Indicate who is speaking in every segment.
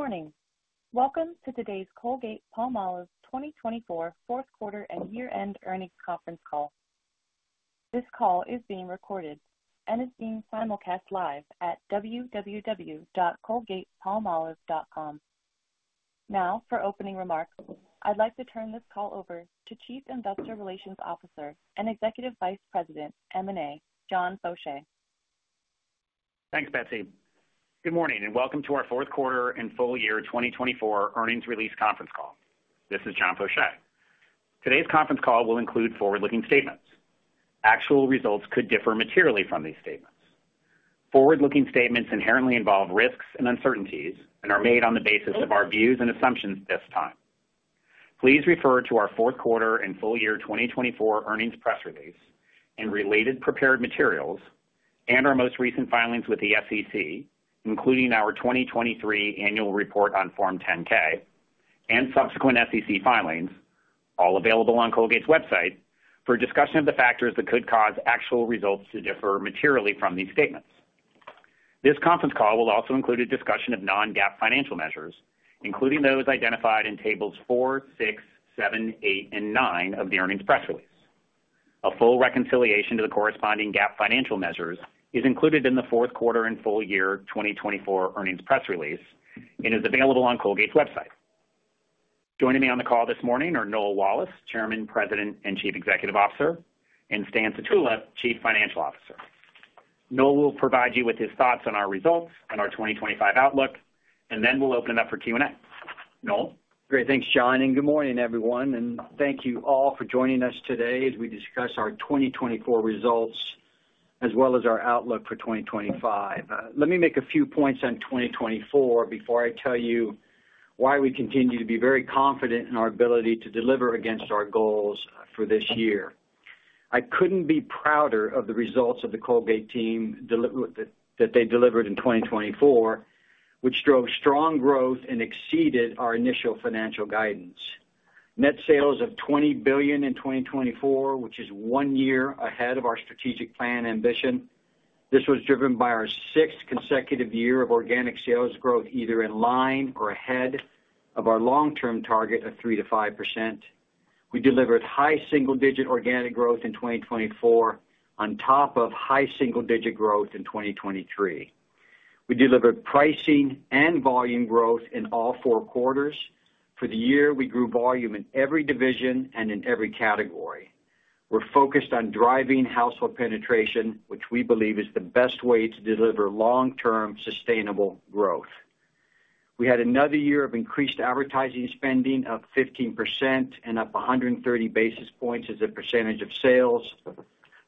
Speaker 1: Good morning. Welcome to today's Colgate-Palmolive 2024 fourth quarter and year-end earnings conference call. This call is being recorded and is being simulcast live at www.colgate-palmolive.com. Now, for opening remarks, I'd like to turn this call over to Chief Investor Relations Officer and Executive Vice President, M&A, John Faucher.
Speaker 2: Thanks, Betsy. Good morning and welcome to our fourth quarter and full year 2024 earnings release conference call. This is John Faucher. Today's conference call will include forward-looking statements. Actual results could differ materially from these statements. Forward-looking statements inherently involve risks and uncertainties and are made on the basis of our views and assumptions at this time. Please refer to our fourth quarter and full year 2024 earnings press release and related prepared materials, and our most recent filings with the SEC, including our 2023 annual report on Form 10-K and subsequent SEC filings, all available on Colgate's website, for discussion of the factors that could cause actual results to differ materially from these statements. This conference call will also include a discussion of non-GAAP financial measures, including those identified in tables four, six, seven, eight, and nine of the earnings press release. A full reconciliation to the corresponding GAAP financial measures is included in the fourth quarter and full year 2024 earnings press release and is available on Colgate's website. Joining me on the call this morning are Noel Wallace, Chairman, President, and Chief Executive Officer, and Stan Sutula, Chief Financial Officer. Noel will provide you with his thoughts on our results and our 2025 outlook, and then we'll open it up for Q&A. Noel?
Speaker 3: Great. Thanks, John, and good morning, everyone. And thank you all for joining us today as we discuss our 2024 results as well as our outlook for 2025. Let me make a few points on 2024 before I tell you why we continue to be very confident in our ability to deliver against our goals for this year. I couldn't be prouder of the results of the Colgate team that they delivered in 2024, which drove strong growth and exceeded our initial financial guidance. Net sales of $20 billion in 2024, which is one year ahead of our strategic plan ambition. This was driven by our sixth consecutive year of organic sales growth, either in line or ahead of our long-term target of 3%-5%. We delivered high single-digit organic growth in 2024 on top of high single-digit growth in 2023. We delivered pricing and volume growth in all four quarters. For the year, we grew volume in every division and in every category. We're focused on driving household penetration, which we believe is the best way to deliver long-term sustainable growth. We had another year of increased advertising spending of 15% and up 130 basis points as a percentage of sales.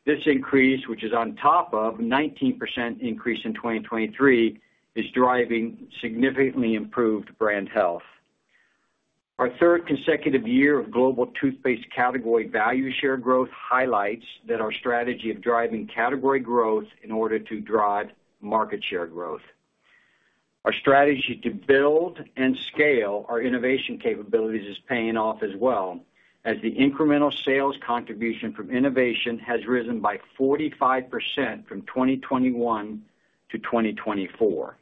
Speaker 3: This increase, which is on top of a 19% increase in 2023, is driving significantly improved brand health. Our third consecutive year of global toothpaste category value share growth highlights that our strategy of driving category growth in order to drive market share growth. Our strategy to build and scale our innovation capabilities is paying off as well, as the incremental sales contribution from innovation has risen by 45% from 2021 to 2024.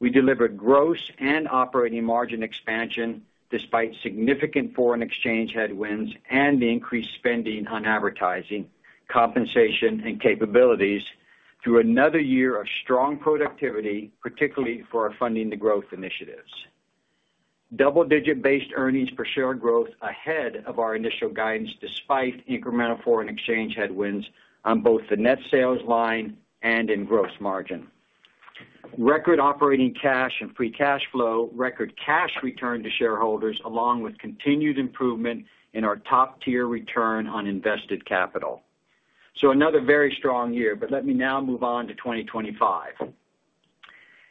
Speaker 3: We delivered gross and operating margin expansion despite significant foreign exchange headwinds and the increased spending on advertising, compensation, and capabilities through another year of strong productivity, particularly for our Funding the Growth initiatives. Double-digit-based earnings per share growth ahead of our initial guidance despite incremental foreign exchange headwinds on both the net sales line and in gross margin. Record operating cash and free cash flow, record cash return to shareholders, along with continued improvement in our top-tier return on invested capital. So, another very strong year, but let me now move on to 2025.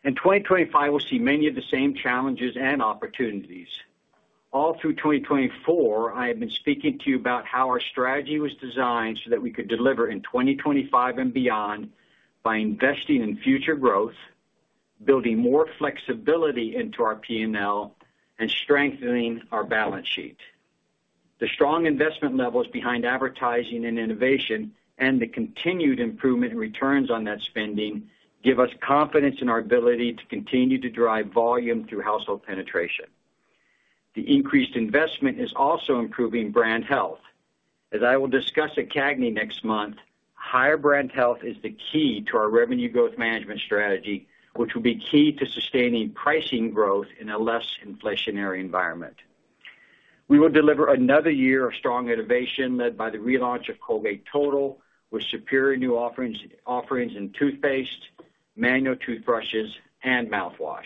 Speaker 3: In 2025, we'll see many of the same challenges and opportunities. All through 2024, I have been speaking to you about how our strategy was designed so that we could deliver in 2025 and beyond by investing in future growth, building more flexibility into our P&L, and strengthening our balance sheet. The strong investment levels behind advertising and innovation and the continued improvement in returns on that spending give us confidence in our ability to continue to drive volume through household penetration. The increased investment is also improving brand health. As I will discuss at CAGNY next month, higher brand health is the key to our Revenue Growth Management strategy, which will be key to sustaining pricing growth in a less inflationary environment. We will deliver another year of strong innovation led by the relaunch of Colgate Total, with superior new offerings in toothpaste, manual toothbrushes, and mouthwash.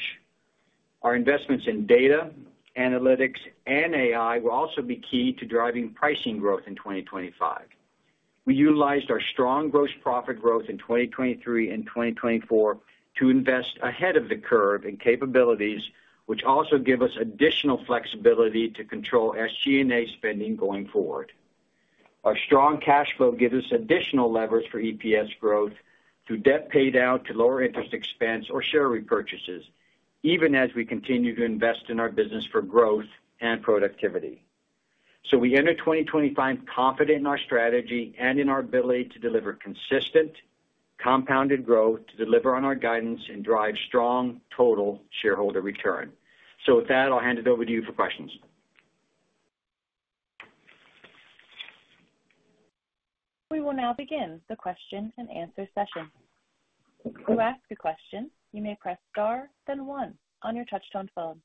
Speaker 3: Our investments in data, analytics, and AI will also be key to driving pricing growth in 2025. We utilized our strong gross profit growth in 2023 and 2024 to invest ahead of the curve in capabilities, which also give us additional flexibility to control SG&A spending going forward. Our strong cash flow gives us additional leverage for EPS growth through debt paid out to lower interest expense or share repurchases, even as we continue to invest in our business for growth and productivity. So, we enter 2025 confident in our strategy and in our ability to deliver consistent compounded growth to deliver on our guidance and drive strong total shareholder return. So, with that, I'll hand it over to you for questions.
Speaker 1: We will now begin the question and answer session. To ask a question, you may press star, then one on your touch-tone phone.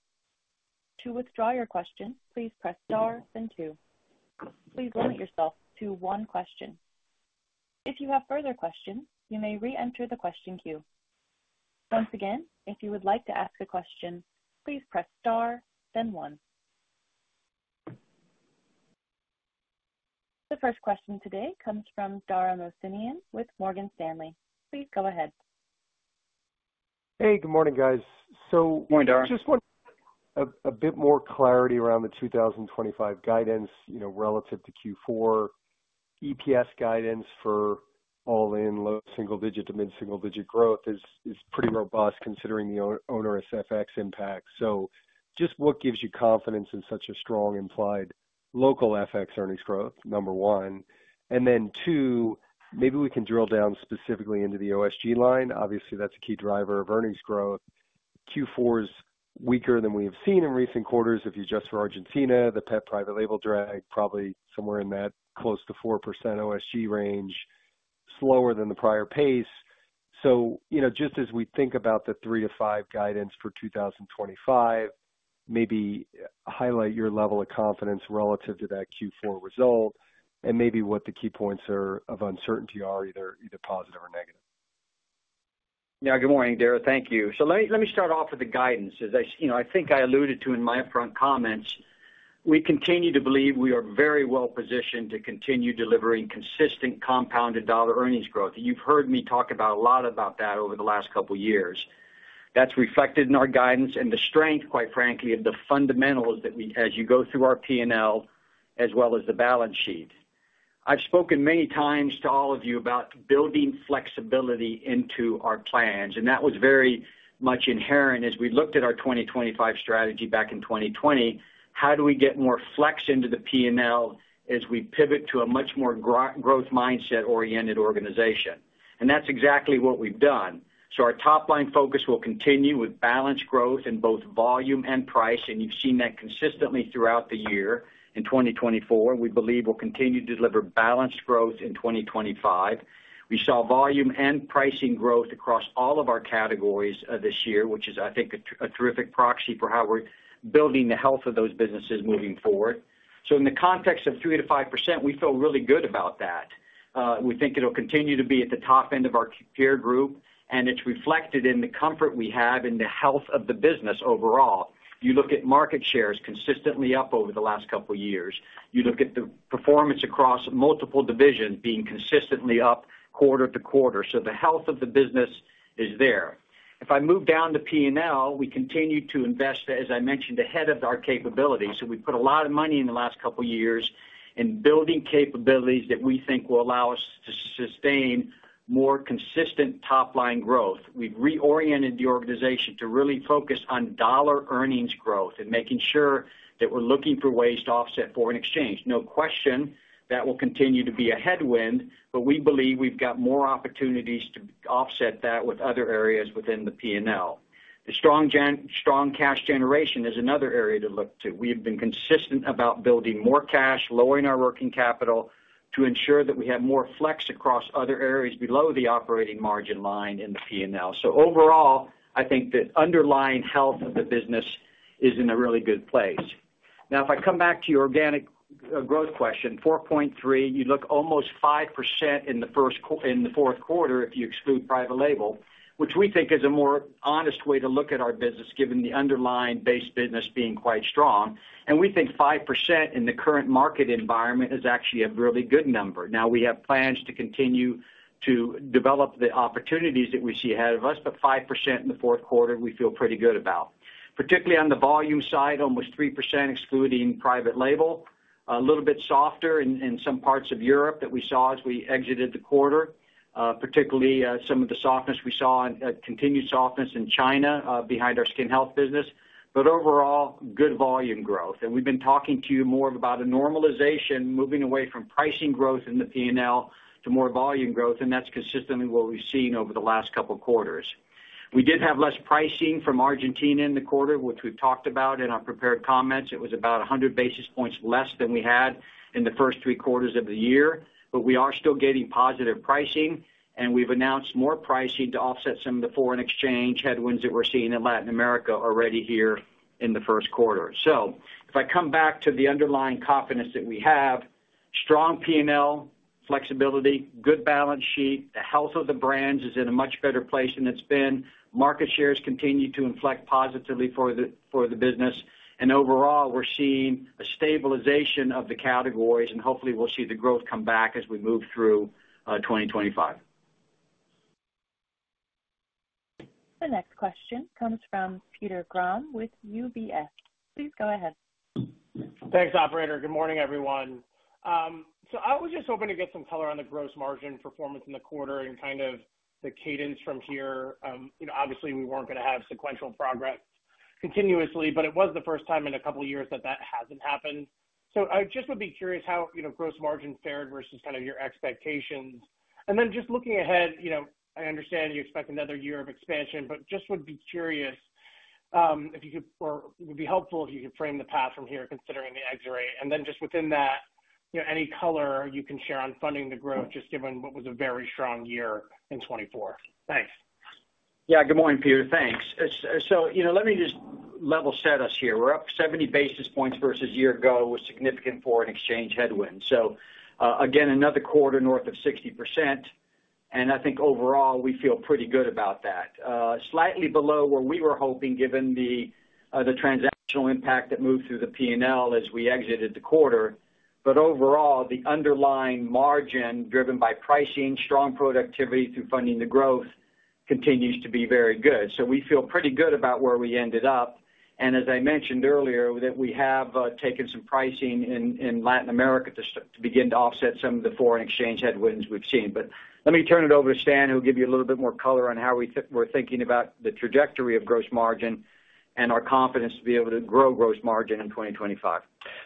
Speaker 1: To withdraw your question, please press star, then two. Please limit yourself to one question. If you have further questions, you may re-enter the question queue. Once again, if you would like to ask a question, please press star, then one. The first question today comes from Dara Mohsenian with Morgan Stanley. Please go ahead.
Speaker 4: Hey, good morning, guys.
Speaker 3: Good morning, Dara.
Speaker 4: Just want a bit more clarity around the 2025 guidance, you know, relative to Q4. EPS guidance for all in low single-digit to mid-single-digit growth is pretty robust considering the ongoing FX impact. So, just what gives you confidence in such a strong implied local FX earnings growth, number one? And then two, maybe we can drill down specifically into the OSG line. Obviously, that's a key driver of earnings growth. Q4 is weaker than we have seen in recent quarters, if you just adjust for Argentina, the pet private label drag probably somewhere in that close to 4% OSG range, slower than the prior pace. So, you know, just as we think about the three to five guidance for 2025, maybe highlight your level of confidence relative to that Q4 result and maybe what the key points of uncertainty are, either positive or negative.
Speaker 3: Yeah, good morning, Dara. Thank you. So, let me start off with the guidance. As I, you know, I think I alluded to in my upfront comments, we continue to believe we are very well positioned to continue delivering consistent compounded dollar earnings growth. And you've heard me talk a lot about that over the last couple of years. That's reflected in our guidance and the strength, quite frankly, of the fundamentals that we, as you go through our P&L, as well as the balance sheet. I've spoken many times to all of you about building flexibility into our plans, and that was very much inherent as we looked at our 2025 strategy back in 2020. How do we get more flex into the P&L as we pivot to a much more growth mindset-oriented organization? And that's exactly what we've done. Our top-line focus will continue with balanced growth in both volume and price, and you've seen that consistently throughout the year. In 2024, we believe we'll continue to deliver balanced growth in 2025. We saw volume and pricing growth across all of our categories this year, which is, I think, a terrific proxy for how we're building the health of those businesses moving forward. In the context of 3%-5%, we feel really good about that. We think it'll continue to be at the top end of our peer group, and it's reflected in the comfort we have in the health of the business overall. You look at market shares consistently up over the last couple of years. You look at the performance across multiple divisions being consistently up quarter to quarter. The health of the business is there. If I move down to P&L, we continue to invest, as I mentioned, ahead of our capabilities. So, we've put a lot of money in the last couple of years in building capabilities that we think will allow us to sustain more consistent top-line growth. We've reoriented the organization to really focus on dollar earnings growth and making sure that we're looking for ways to offset foreign exchange. No question that will continue to be a headwind, but we believe we've got more opportunities to offset that with other areas within the P&L. The strong cash generation is another area to look to. We have been consistent about building more cash, lowering our working capital to ensure that we have more flex across other areas below the operating margin line in the P&L. So, overall, I think the underlying health of the business is in a really good place. Now, if I come back to your organic growth question, 4.3%, you look almost 5% in the fourth quarter if you exclude private label, which we think is a more honest way to look at our business given the underlying base business being quite strong. And we think 5% in the current market environment is actually a really good number. Now, we have plans to continue to develop the opportunities that we see ahead of us, but 5% in the fourth quarter, we feel pretty good about. Particularly on the volume side, almost 3% excluding private label, a little bit softer in some parts of Europe that we saw as we exited the quarter, particularly some of the softness we saw and continued softness in China behind our Skin Health business. But overall, good volume growth. We've been talking to you more about a normalization, moving away from pricing growth in the P&L to more volume growth, and that's consistently what we've seen over the last couple of quarters. We did have less pricing from Argentina in the quarter, which we've talked about in our prepared comments. It was about 100 basis points less than we had in the first three quarters of the year. We are still getting positive pricing, and we've announced more pricing to offset some of the foreign exchange headwinds that we're seeing in Latin America already here in the first quarter. If I come back to the underlying confidence that we have, strong P&L, flexibility, good balance sheet, the health of the brands is in a much better place than it's been. Market shares continue to inflect positively for the business. Overall, we're seeing a stabilization of the categories, and hopefully we'll see the growth come back as we move through 2025.
Speaker 1: The next question comes from Peter Grom with UBS. Please go ahead.
Speaker 5: Thanks, operator. Good morning, everyone. I was just hoping to get some color on the gross margin performance in the quarter and kind of the cadence from here. You know, obviously, we weren't going to have sequential progress continuously, but it was the first time in a couple of years that that hasn't happened. I just would be curious how, you know, gross margin fared versus kind of your expectations? And then just looking ahead, you know, I understand you expect another year of expansion, but just would be curious if you could, or it would be helpful if you could frame the path from here considering the excellent? And then just within that, you know, any color you can share on Funding the Growth, just given what was a very strong year in 2024. Thanks.
Speaker 3: Yeah, good morning, Peter. Thanks. So, you know, let me just level set us here. We're up 70 basis points versus a year ago with significant foreign exchange headwinds. So, again, another quarter north of 60%. And I think overall, we feel pretty good about that. Slightly below where we were hoping, given the transactional impact that moved through the P&L as we exited the quarter. But overall, the underlying margin driven by pricing, strong productivity through Funding the Growth continues to be very good. So, we feel pretty good about where we ended up. And as I mentioned earlier, that we have taken some pricing in Latin America to begin to offset some of the foreign exchange headwinds we've seen. But let me turn it over to Stan, who will give you a little bit more color on how we were thinking about the trajectory of gross margin and our confidence to be able to grow gross margin in 2025.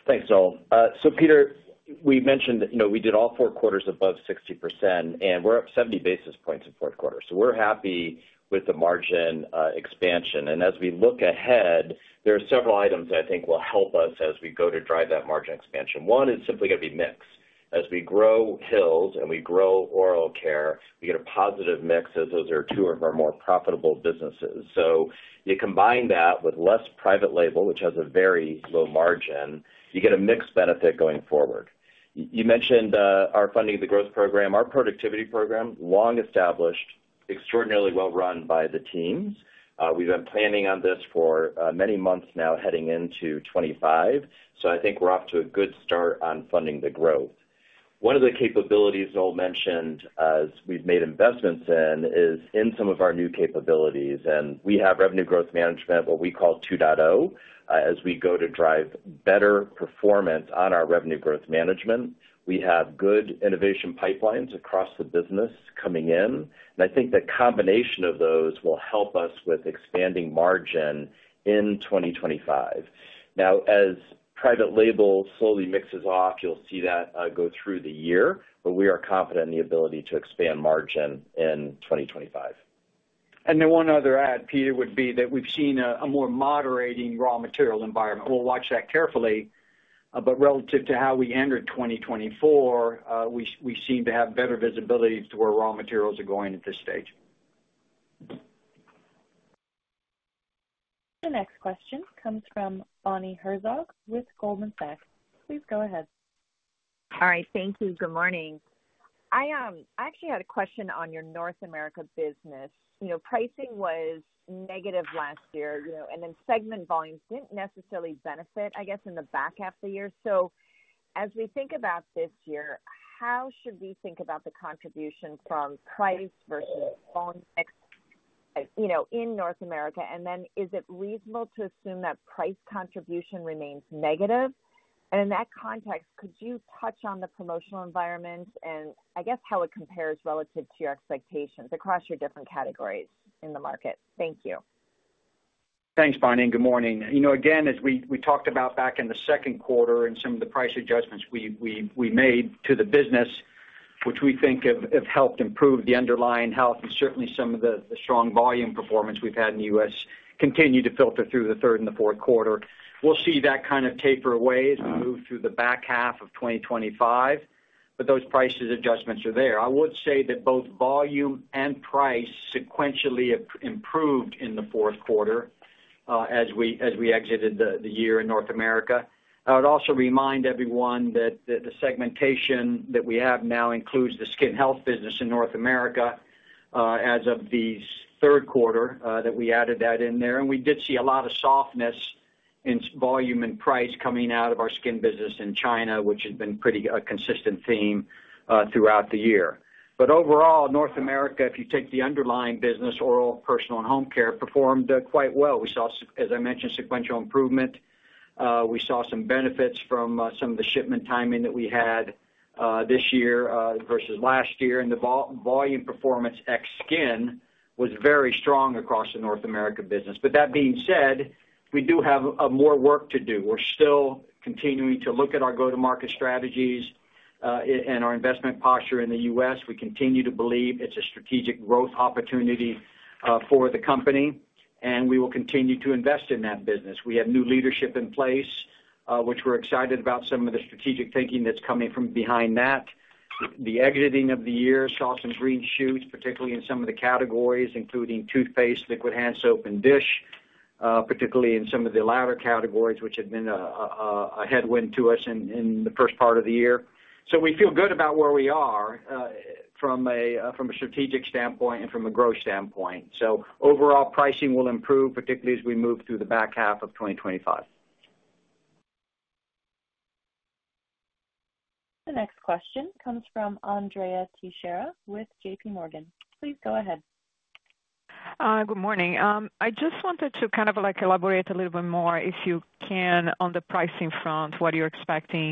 Speaker 6: Thanks, all. So, Peter, we mentioned that, you know, we did all four quarters above 60%, and we're up 70 basis points in fourth quarter. So, we're happy with the margin expansion. And as we look ahead, there are several items that I think will help us as we go to drive that margin expansion. One is simply going to be mix. As we grow Hill's and we grow Oral Care, we get a positive mix as those are two of our more profitable businesses. So, you combine that with less private label, which has a very low margin, you get a mixed benefit going forward. You mentioned our Funding the Growth program, our productivity program, long established, extraordinarily well run by the teams. We've been planning on this for many months now heading into 2025. So, I think we're off to a good start on Funding the Growth. One of the capabilities Noel mentioned as we've made investments in is in some of our new capabilities. And we have Revenue Growth Management, what we call 2.0, as we go to drive better performance on our Revenue Growth Management. We have good innovation pipelines across the business coming in. And I think the combination of those will help us with expanding margin in 2025. Now, as private label slowly mixes off, you'll see that go through the year, but we are confident in the ability to expand margin in 2025.
Speaker 3: And then one other add, Peter, would be that we've seen a more moderating raw material environment. We'll watch that carefully. But relative to how we entered 2024, we seem to have better visibility to where raw materials are going at this stage.
Speaker 1: The next question comes from Bonnie Herzog with Goldman Sachs. Please go ahead.
Speaker 7: All right. Thank you. Good morning. I actually had a question on your North America business. You know, pricing was negative last year, you know, and then segment volumes didn't necessarily benefit, I guess, in the back half of the year. So, as we think about this year, how should we think about the contribution from price versus volume mix, you know, in North America? And then is it reasonable to assume that price contribution remains negative? And in that context, could you touch on the promotional environment and I guess how it compares relative to your expectations across your different categories in the market? Thank you.
Speaker 3: Thanks, Bonnie. And good morning. You know, again, as we talked about back in the second quarter and some of the price adjustments we made to the business, which we think have helped improve the underlying health and certainly some of the strong volume performance we've had in the U.S. continue to filter through the third and the fourth quarter. We'll see that kind of taper away as we move through the back half of 2025, but those price adjustments are there. I would say that both volume and price sequentially improved in the fourth quarter as we exited the year in North America. I would also remind everyone that the segmentation that we have now includes the Skin Health business in North America as of the third quarter that we added that in there. And we did see a lot of softness in volume and price coming out of our Skin business in China, which has been a pretty consistent theme throughout the year. But overall, North America, if you take the underlying business, Oral, Personal, and Home Care, performed quite well. We saw, as I mentioned, sequential improvement. We saw some benefits from some of the shipment timing that we had this year versus last year. And the volume performance ex Skin was very strong across the North America business. But that being said, we do have more work to do. We're still continuing to look at our go-to-market strategies and our investment posture in the U.S. We continue to believe it's a strategic growth opportunity for the company, and we will continue to invest in that business. We have new leadership in place, which we're excited about some of the strategic thinking that's coming from that. The end of the year saw some green shoots, particularly in some of the categories, including toothpaste, liquid hand soap, and dish, particularly in some of the latter categories, which have been a headwind to us in the first part of the year. We feel good about where we are from a strategic standpoint and from a growth standpoint. Overall, pricing will improve, particularly as we move through the back half of 2025.
Speaker 1: The next question comes from Andrea Teixeira with J.P. Morgan. Please go ahead.
Speaker 8: Good morning. I just wanted to kind of like elaborate a little bit more, if you can, on the pricing front, what you're expecting,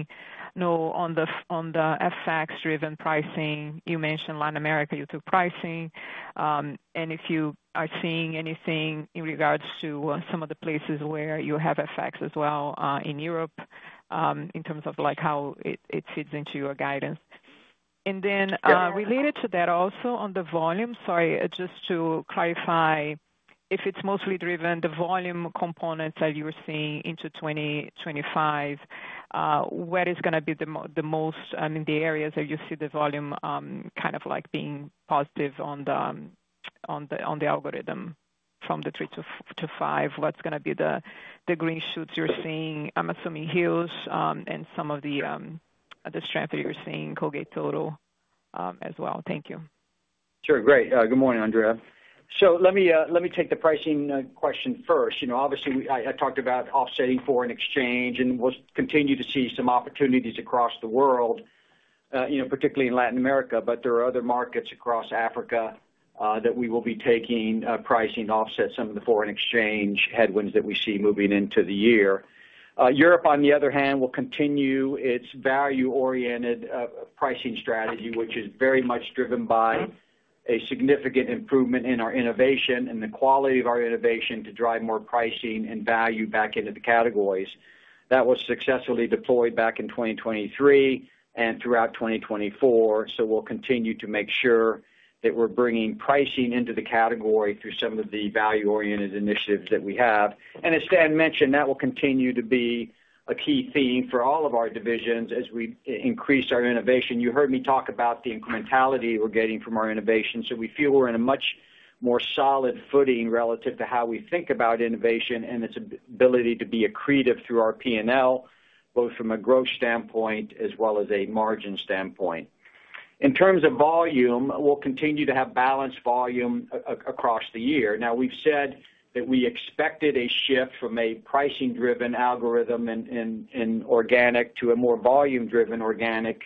Speaker 8: you know, on the FX-driven pricing. You mentioned Latin America, you took pricing. And if you are seeing anything in regards to some of the places where you have FX as well in Europe in terms of like how it fits into your guidance. And then related to that also, on the volume, sorry, just to clarify, if it's mostly driven the volume components that you're seeing into 2025, what is going to be the most, I mean, the areas that you see the volume kind of like being positive on the all-in from the three to five, what's going to be the green shoots you're seeing? I'm assuming Hill's and some of the strength that you're seeing, Colgate Total as well. Thank you.
Speaker 3: Sure. Great. Good morning, Andrea. So, let me take the pricing question first. You know, obviously, I talked about offsetting foreign exchange and we'll continue to see some opportunities across the world, you know, particularly in Latin America, but there are other markets across Africa that we will be taking pricing to offset some of the foreign exchange headwinds that we see moving into the year. Europe, on the other hand, will continue its value-oriented pricing strategy, which is very much driven by a significant improvement in our innovation and the quality of our innovation to drive more pricing and value back into the categories. That was successfully deployed back in 2023 and throughout 2024. So, we'll continue to make sure that we're bringing pricing into the category through some of the value-oriented initiatives that we have. As Stan mentioned, that will continue to be a key theme for all of our divisions as we increase our innovation. You heard me talk about the incrementality we're getting from our innovation. So, we feel we're in a much more solid footing relative to how we think about innovation and its ability to be accretive through our P&L, both from a growth standpoint as well as a margin standpoint. In terms of volume, we'll continue to have balanced volume across the year. Now, we've said that we expected a shift from a pricing-driven algorithm in organic to a more volume-driven organic,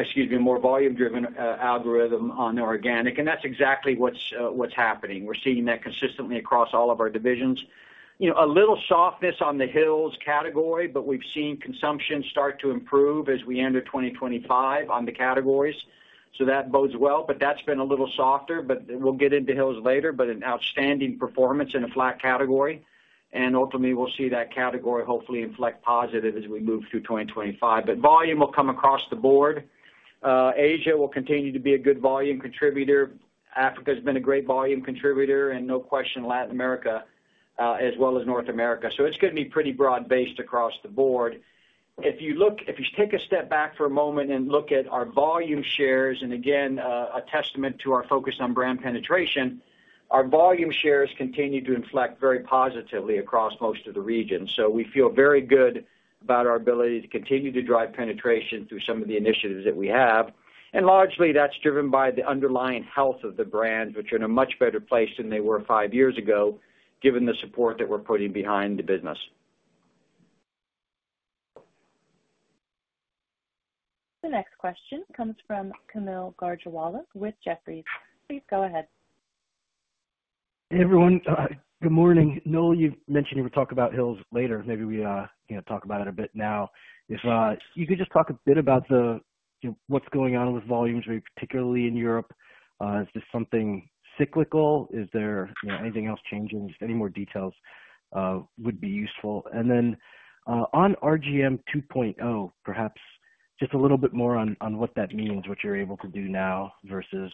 Speaker 3: excuse me, more volume-driven algorithm on organic. That's exactly what's happening. We're seeing that consistently across all of our divisions. You know, a little softness on the Hill's category, but we've seen consumption start to improve as we enter 2025 on the categories. So, that bodes well, but that's been a little softer. But we'll get into Hill's later, but an outstanding performance in a flat category. And ultimately, we'll see that category hopefully inflect positive as we move through 2025. But volume will come across the board. Asia will continue to be a good volume contributor. Africa has been a great volume contributor, and no question Latin America as well as North America. So, it's going to be pretty broad-based across the board. If you look, if you take a step back for a moment and look at our volume shares, and again, a testament to our focus on brand penetration, our volume shares continue to inflect very positively across most of the region. So, we feel very good about our ability to continue to drive penetration through some of the initiatives that we have. Largely, that's driven by the underlying health of the brands, which are in a much better place than they were five years ago, given the support that we're putting behind the business.
Speaker 1: The next question comes from Kaumil Gajrawala with Jefferies. Please go ahead.
Speaker 9: Hey, everyone. Good morning. Noel, you mentioned you were talking about Hill's later. Maybe we talk about it a bit now. If you could just talk a bit about what's going on with volumes, particularly in Europe. Is this something cyclical? Is there anything else changing? Just any more details would be useful. And then on RGM 2.0, perhaps just a little bit more on what that means, what you're able to do now versus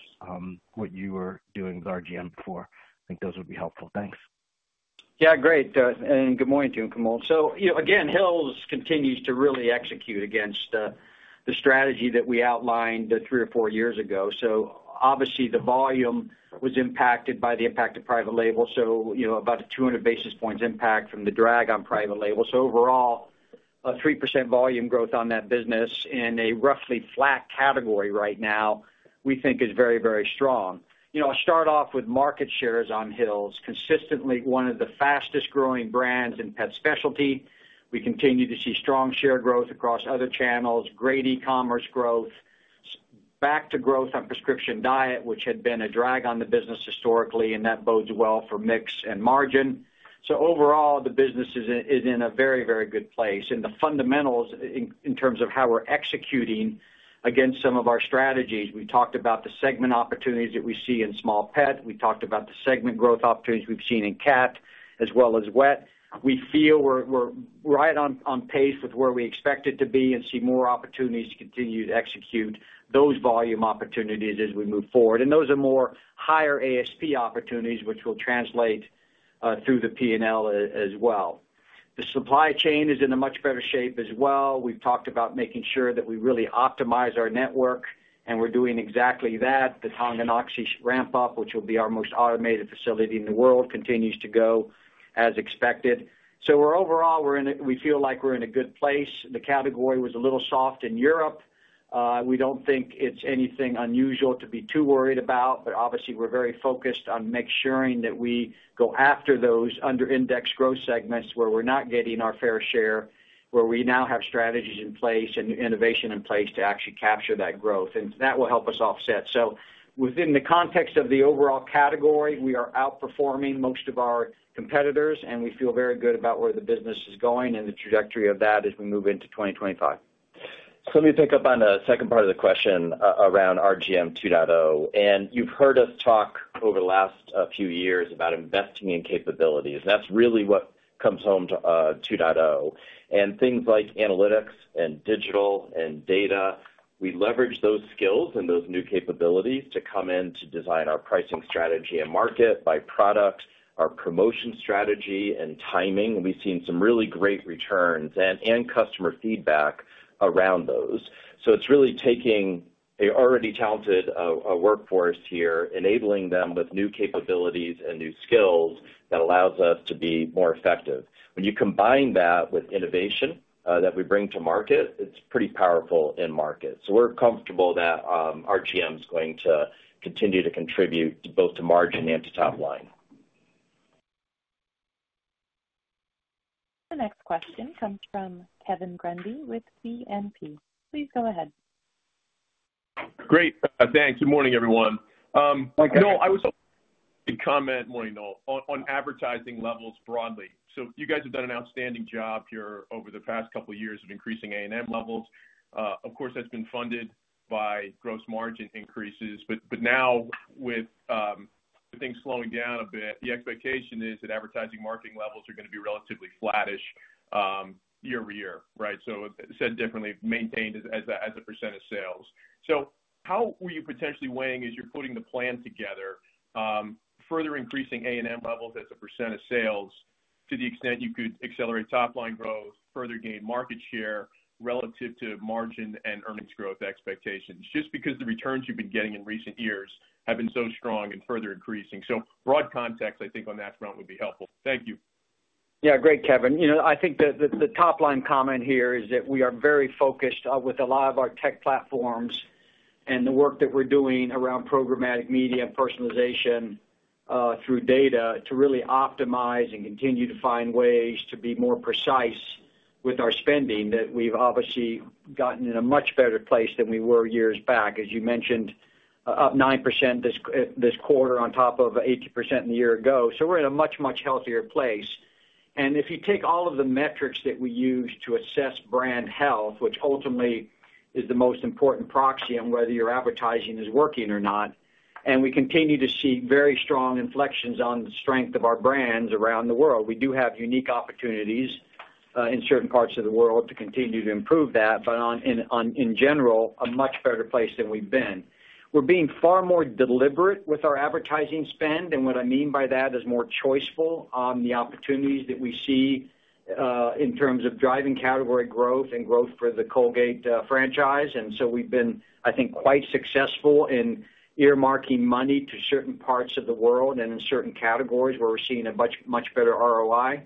Speaker 9: what you were doing with RGM before. I think those would be helpful. Thanks.
Speaker 3: Yeah, great. And good morning to you, Kaumil. So, you know, again, Hill's continues to really execute against the strategy that we outlined three or four years ago. So, obviously, the volume was impacted by the impact of private label. So, you know, about a 200 basis points impact from the drag on private label. So, overall, a 3% volume growth on that business in a roughly flat category right now, we think is very, very strong. You know, I'll start off with market shares on Hill's. Consistently one of the fastest growing brands in pet specialty. We continue to see strong share growth across other channels, great e-commerce growth, back to growth on Prescription Diet, which had been a drag on the business historically, and that bodes well for mix and margin. So, overall, the business is in a very, very good place. And the fundamentals in terms of how we're executing against some of our strategies, we talked about the segment opportunities that we see in small pet. We talked about the segment growth opportunities we've seen in cat as well as wet. We feel we're right on pace with where we expect it to be and see more opportunities to continue to execute those volume opportunities as we move forward. And those are more higher ASP opportunities, which will translate through the P&L as well. The supply chain is in a much better shape as well. We've talked about making sure that we really optimize our network, and we're doing exactly that. The Tonganoxie ramp-up, which will be our most automated facility in the world, continues to go as expected. So, overall, we feel like we're in a good place. The category was a little soft in Europe. We don't think it's anything unusual to be too worried about, but obviously, we're very focused on making sure that we go after those under-index growth segments where we're not getting our fair share, where we now have strategies in place and innovation in place to actually capture that growth, and that will help us offset, so within the context of the overall category, we are outperforming most of our competitors, and we feel very good about where the business is going and the trajectory of that as we move into 2025.
Speaker 6: So, let me pick up on the second part of the question around RGM 2.0. And you've heard us talk over the last few years about investing in capabilities. That's really what comes home to 2.0. And things like analytics and digital and data, we leverage those skills and those new capabilities to come in to design our pricing strategy and market by product, our promotion strategy and timing. We've seen some really great returns and customer feedback around those. So, it's really taking an already talented workforce here, enabling them with new capabilities and new skills that allows us to be more effective. When you combine that with innovation that we bring to market, it's pretty powerful in market. So, we're comfortable that RGM is going to continue to contribute both to margin and to top line.
Speaker 1: The next question comes from Kevin Grundy with BNP. Please go ahead.
Speaker 10: Great. Thanks. Good morning, everyone. No, I was going to comment, morning, Noel, on advertising levels broadly. So, you guys have done an outstanding job here over the past couple of years of increasing A&M levels. Of course, that's been funded by gross margin increases. But now, with things slowing down a bit, the expectation is that advertising marketing levels are going to be relatively flattish year over year, right? So, said differently, maintained as a percent of sales. So, how were you potentially weighing as you're putting the plan together, further increasing A&M levels as a percent of sales to the extent you could accelerate top line growth, further gain market share relative to margin and earnings growth expectations, just because the returns you've been getting in recent years have been so strong and further increasing? So, broad context, I think on that front would be helpful. Thank you.
Speaker 3: Yeah, great, Kevin. You know, I think that the top line comment here is that we are very focused with a lot of our tech platforms and the work that we're doing around programmatic media personalization through data to really optimize and continue to find ways to be more precise with our spending that we've obviously gotten in a much better place than we were years back, as you mentioned, up 9% this quarter on top of 80% the year ago. So, we're in a much, much healthier place. If you take all of the metrics that we use to assess brand health, which ultimately is the most important proxy on whether your advertising is working or not, and we continue to see very strong inflections on the strength of our brands around the world, we do have unique opportunities in certain parts of the world to continue to improve that, but in general, a much better place than we've been. We're being far more deliberate with our advertising spend, and what I mean by that is more choiceful on the opportunities that we see in terms of driving category growth and growth for the Colgate franchise. So, we've been, I think, quite successful in earmarking money to certain parts of the world and in certain categories where we're seeing a much better ROI.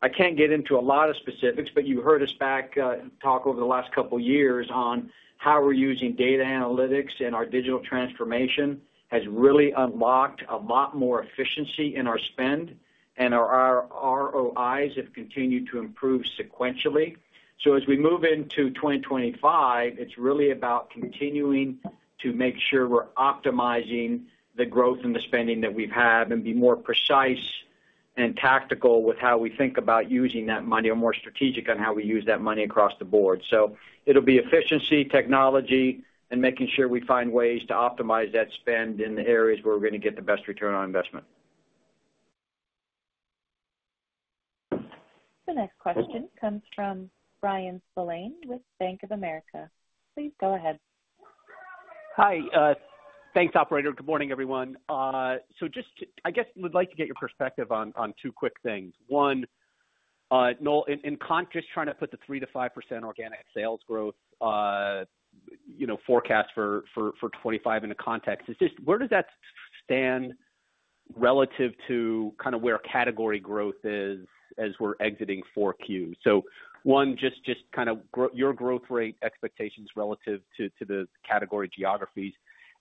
Speaker 3: I can't get into a lot of specifics, but you heard us back talk over the last couple of years on how we're using data analytics and our digital transformation has really unlocked a lot more efficiency in our spend, and our ROIs have continued to improve sequentially. So, as we move into 2025, it's really about continuing to make sure we're optimizing the growth and the spending that we've had and be more precise and tactical with how we think about using that money or more strategic on how we use that money across the Board. So, it'll be efficiency, technology, and making sure we find ways to optimize that spend in the areas where we're going to get the best return on investment.
Speaker 1: The next question comes from Brian Spillane with Bank of America. Please go ahead.
Speaker 11: Hi. Thanks, operator. Good morning, everyone. So, just, I guess we'd like to get your perspective on two quick things. One, Noel, in context, trying to put the 3%-5% organic sales growth, you know, forecast for 2025 in a context, where does that stand relative to kind of where category growth is as we're exiting 4Q? So, one, just kind of your growth rate expectations relative to the category geographies.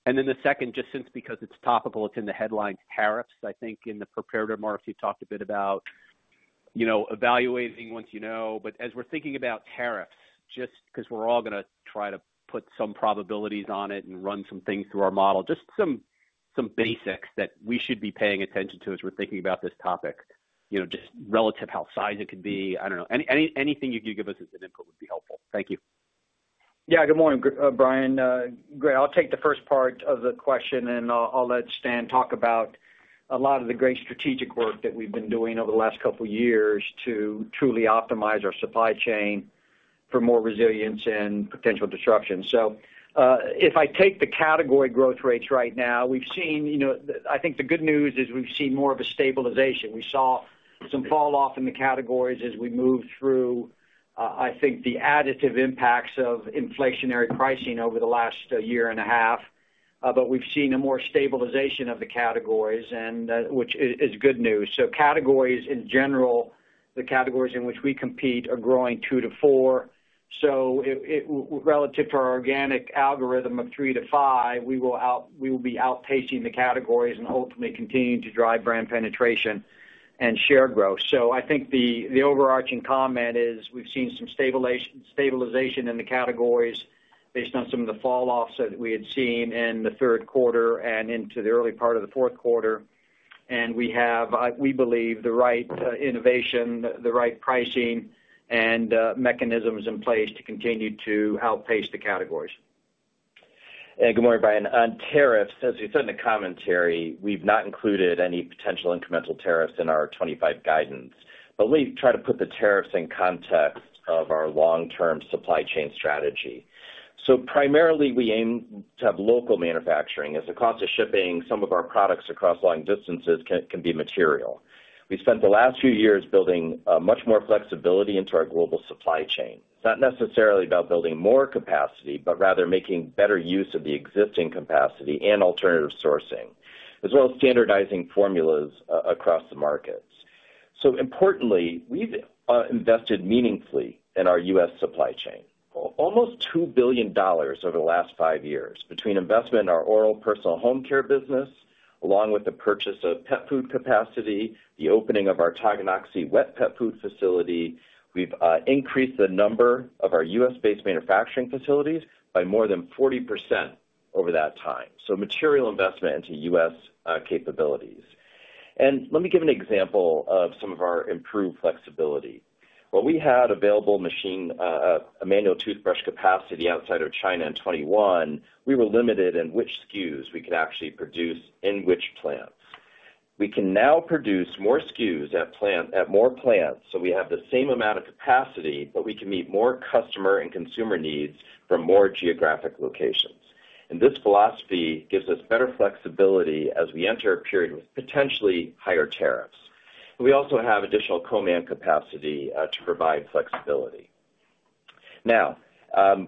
Speaker 11: And then the second, just since because it's topical, it's in the headlines, tariffs, I think in the prepared remarks, you talked a bit about, you know, evaluating once you know. But as we're thinking about tariffs, just because we're all going to try to put some probabilities on it and run some things through our model, just some basics that we should be paying attention to as we're thinking about this topic, you know, just relative to how big it could be. I don't know. Anything you could give us as an input would be helpful. Thank you.
Speaker 3: Yeah, good morning, Brian. Great. I'll take the first part of the question, and I'll let Stan talk about a lot of the great strategic work that we've been doing over the last couple of years to truly optimize our supply chain for more resilience and potential disruption. So, if I take the category growth rates right now, we've seen, you know, I think the good news is we've seen more of a stabilization. We saw some falloff in the categories as we moved through, I think, the additive impacts of inflationary pricing over the last year and a half. But we've seen a more stabilization of the categories, which is good news. So, categories in general, the categories in which we compete are growing 2%-4%. So, relative to our organic sales growth of three to five, we will be outpacing the categories and ultimately continue to drive brand penetration and share growth. So, I think the overarching comment is we've seen some stabilization in the categories based on some of the falloffs that we had seen in the third quarter and into the early part of the fourth quarter. And we have, we believe, the right innovation, the right pricing, and mechanisms in place to continue to outpace the categories.
Speaker 6: And good morning, Brian. On tariffs, as we said in the commentary, we've not included any potential incremental tariffs in our 2025 guidance, but we try to put the tariffs in context of our long-term supply chain strategy. So, primarily, we aim to have local manufacturing as the cost of shipping some of our products across long distances can be material. We spent the last few years building much more flexibility into our global supply chain. It's not necessarily about building more capacity, but rather making better use of the existing capacity and alternative sourcing, as well as standardizing formulas across the markets. So, importantly, we've invested meaningfully in our U.S. supply chain, almost $2 billion over the last five years between investment in our Oral, Personal and Home care business, along with the purchase of pet food capacity, the opening of our Tonganoxie wet pet food facility. We've increased the number of our U.S.-based manufacturing facilities by more than 40% over that time. So, material investment into U.S. capabilities. And let me give an example of some of our improved flexibility. While we had available machine, a manual toothbrush capacity outside of China in 2021, we were limited in which SKUs we could actually produce in which plants. We can now produce more SKUs at more plants, so we have the same amount of capacity, but we can meet more customer and consumer needs from more geographic locations. And this philosophy gives us better flexibility as we enter a period with potentially higher tariffs. We also have additional co-man capacity to provide flexibility. Now,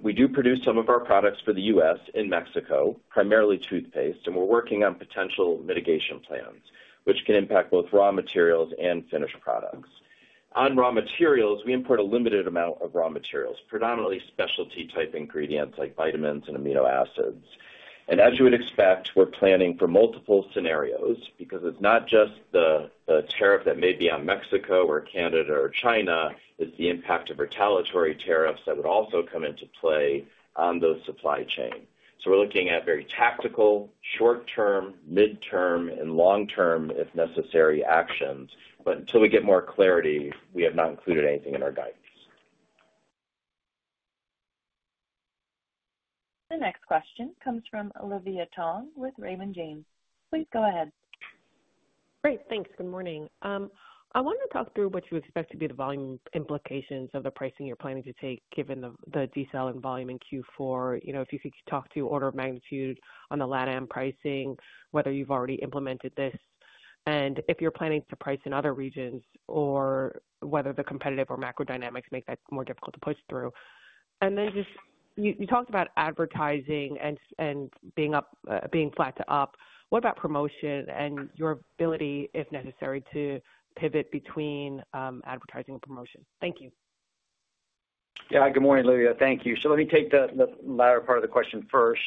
Speaker 6: we do produce some of our products for the U.S. in Mexico, primarily toothpaste, and we're working on potential mitigation plans, which can impact both raw materials and finished products. On raw materials, we import a limited amount of raw materials, predominantly specialty-type ingredients like vitamins and amino acids. And as you would expect, we're planning for multiple scenarios because it's not just the tariff that may be on Mexico or Canada or China. It's the impact of retaliatory tariffs that would also come into play on those supply chains. So, we're looking at very tactical, short-term, mid-term, and long-term, if necessary, actions. But until we get more clarity, we have not included anything in our guidance.
Speaker 1: The next question comes from Olivia Tong with Raymond James. Please go ahead.
Speaker 12: Great. Thanks. Good morning. I want to talk through what you expect to be the volume implications of the pricing you're planning to take given the decel and volume in Q4. You know, if you could talk to order of magnitude on the LATAM pricing, whether you've already implemented this, and if you're planning to price in other regions or whether the competitive or macro dynamics make that more difficult to push through. And then just you talked about advertising and being flat to up. What about promotion and your ability, if necessary, to pivot between advertising and promotion? Thank you.
Speaker 3: Yeah, good morning, Olivia. Thank you. So, let me take the latter part of the question first.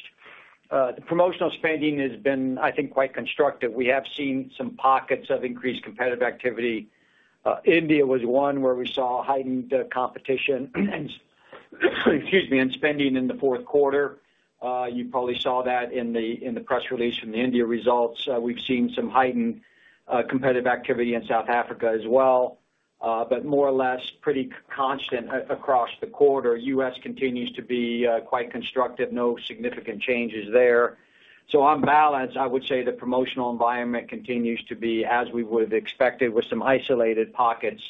Speaker 3: The promotional spending has been, I think, quite constructive. We have seen some pockets of increased competitive activity. India was one where we saw heightened competition and, excuse me, and spending in the fourth quarter. You probably saw that in the press release from the India results. We've seen some heightened competitive activity in South Africa as well, but more or less pretty constant across the quarter. U.S. continues to be quite constructive. No significant changes there. So, on balance, I would say the promotional environment continues to be as we would have expected with some isolated pockets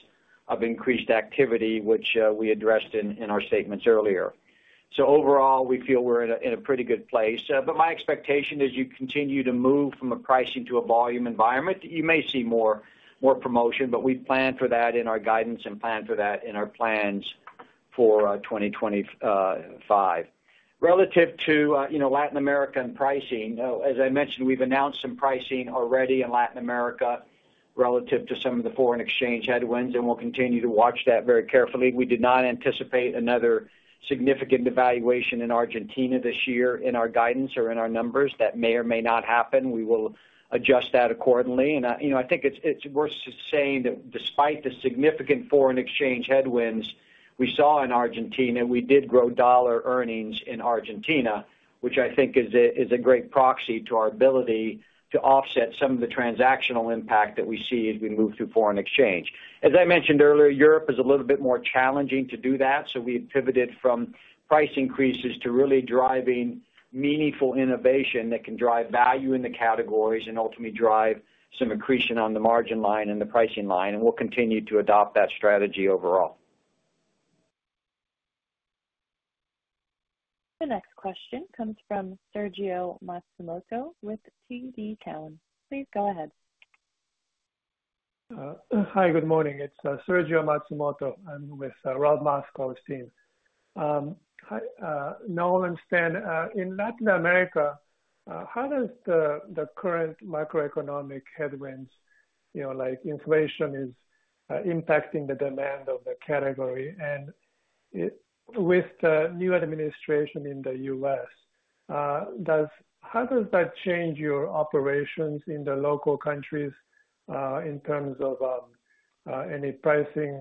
Speaker 3: of increased activity, which we addressed in our statements earlier. So, overall, we feel we're in a pretty good place. But my expectation is you continue to move from a pricing to a volume environment. You may see more promotion, but we plan for that in our guidance and plan for that in our plans for 2025. Relative to, you know, Latin American pricing, as I mentioned, we've announced some pricing already in Latin America relative to some of the foreign exchange headwinds, and we'll continue to watch that very carefully. We did not anticipate another significant devaluation in Argentina this year in our guidance or in our numbers. That may or may not happen. We will adjust that accordingly, and, you know, I think it's worth saying that despite the significant foreign exchange headwinds we saw in Argentina, we did grow dollar earnings in Argentina, which I think is a great proxy to our ability to offset some of the transactional impact that we see as we move through foreign exchange. As I mentioned earlier, Europe is a little bit more challenging to do that. So, we've pivoted from price increases to really driving meaningful innovation that can drive value in the categories and ultimately drive some accretion on the margin line and the pricing line. And we'll continue to adopt that strategy overall.
Speaker 1: The next question comes from Sergio Matsumoto with TD Cowen. Please go ahead.
Speaker 13: Hi, good morning. It's Sergio Matsumoto. I'm with Robert Moskow's team. Noel and Stan, in Latin America, how does the current macroeconomic headwinds, you know, like inflation, impact the demand of the category? And with the new administration in the U.S., how does that change your operations in the local countries in terms of any pricing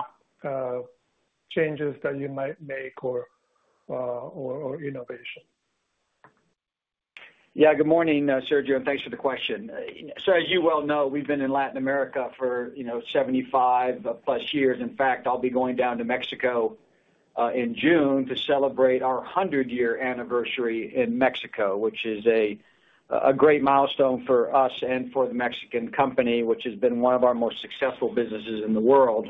Speaker 13: changes that you might make or innovation?
Speaker 3: Yeah, good morning, Robert, and thanks for the question. So, as you well know, we've been in Latin America for, you know, 75+ years. In fact, I'll be going down to Mexico in June to celebrate our 100-year anniversary in Mexico, which is a great milestone for us and for the Mexican company, which has been one of our most successful businesses in the world,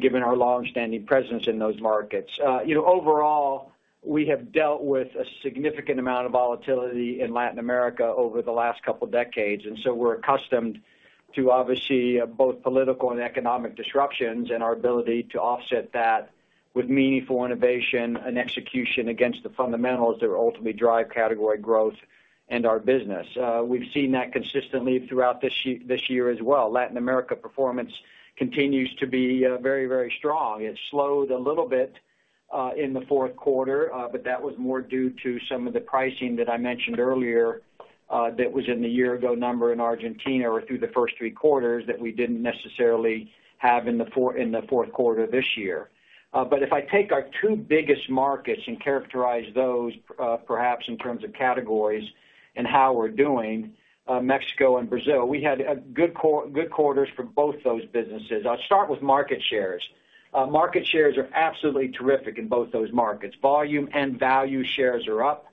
Speaker 3: given our long-standing presence in those markets. You know, overall, we have dealt with a significant amount of volatility in Latin America over the last couple of decades, and so, we're accustomed to obviously both political and economic disruptions and our ability to offset that with meaningful innovation and execution against the fundamentals that will ultimately drive category growth and our business. We've seen that consistently throughout this year as well. Latin America performance continues to be very, very strong. It slowed a little bit in the fourth quarter, but that was more due to some of the pricing that I mentioned earlier that was in the year-ago number in Argentina or through the first three quarters that we didn't necessarily have in the fourth quarter this year. But if I take our two biggest markets and characterize those, perhaps in terms of categories and how we're doing, Mexico and Brazil, we had good quarters for both those businesses. I'll start with market shares. Market shares are absolutely terrific in both those markets. Volume and value shares are up.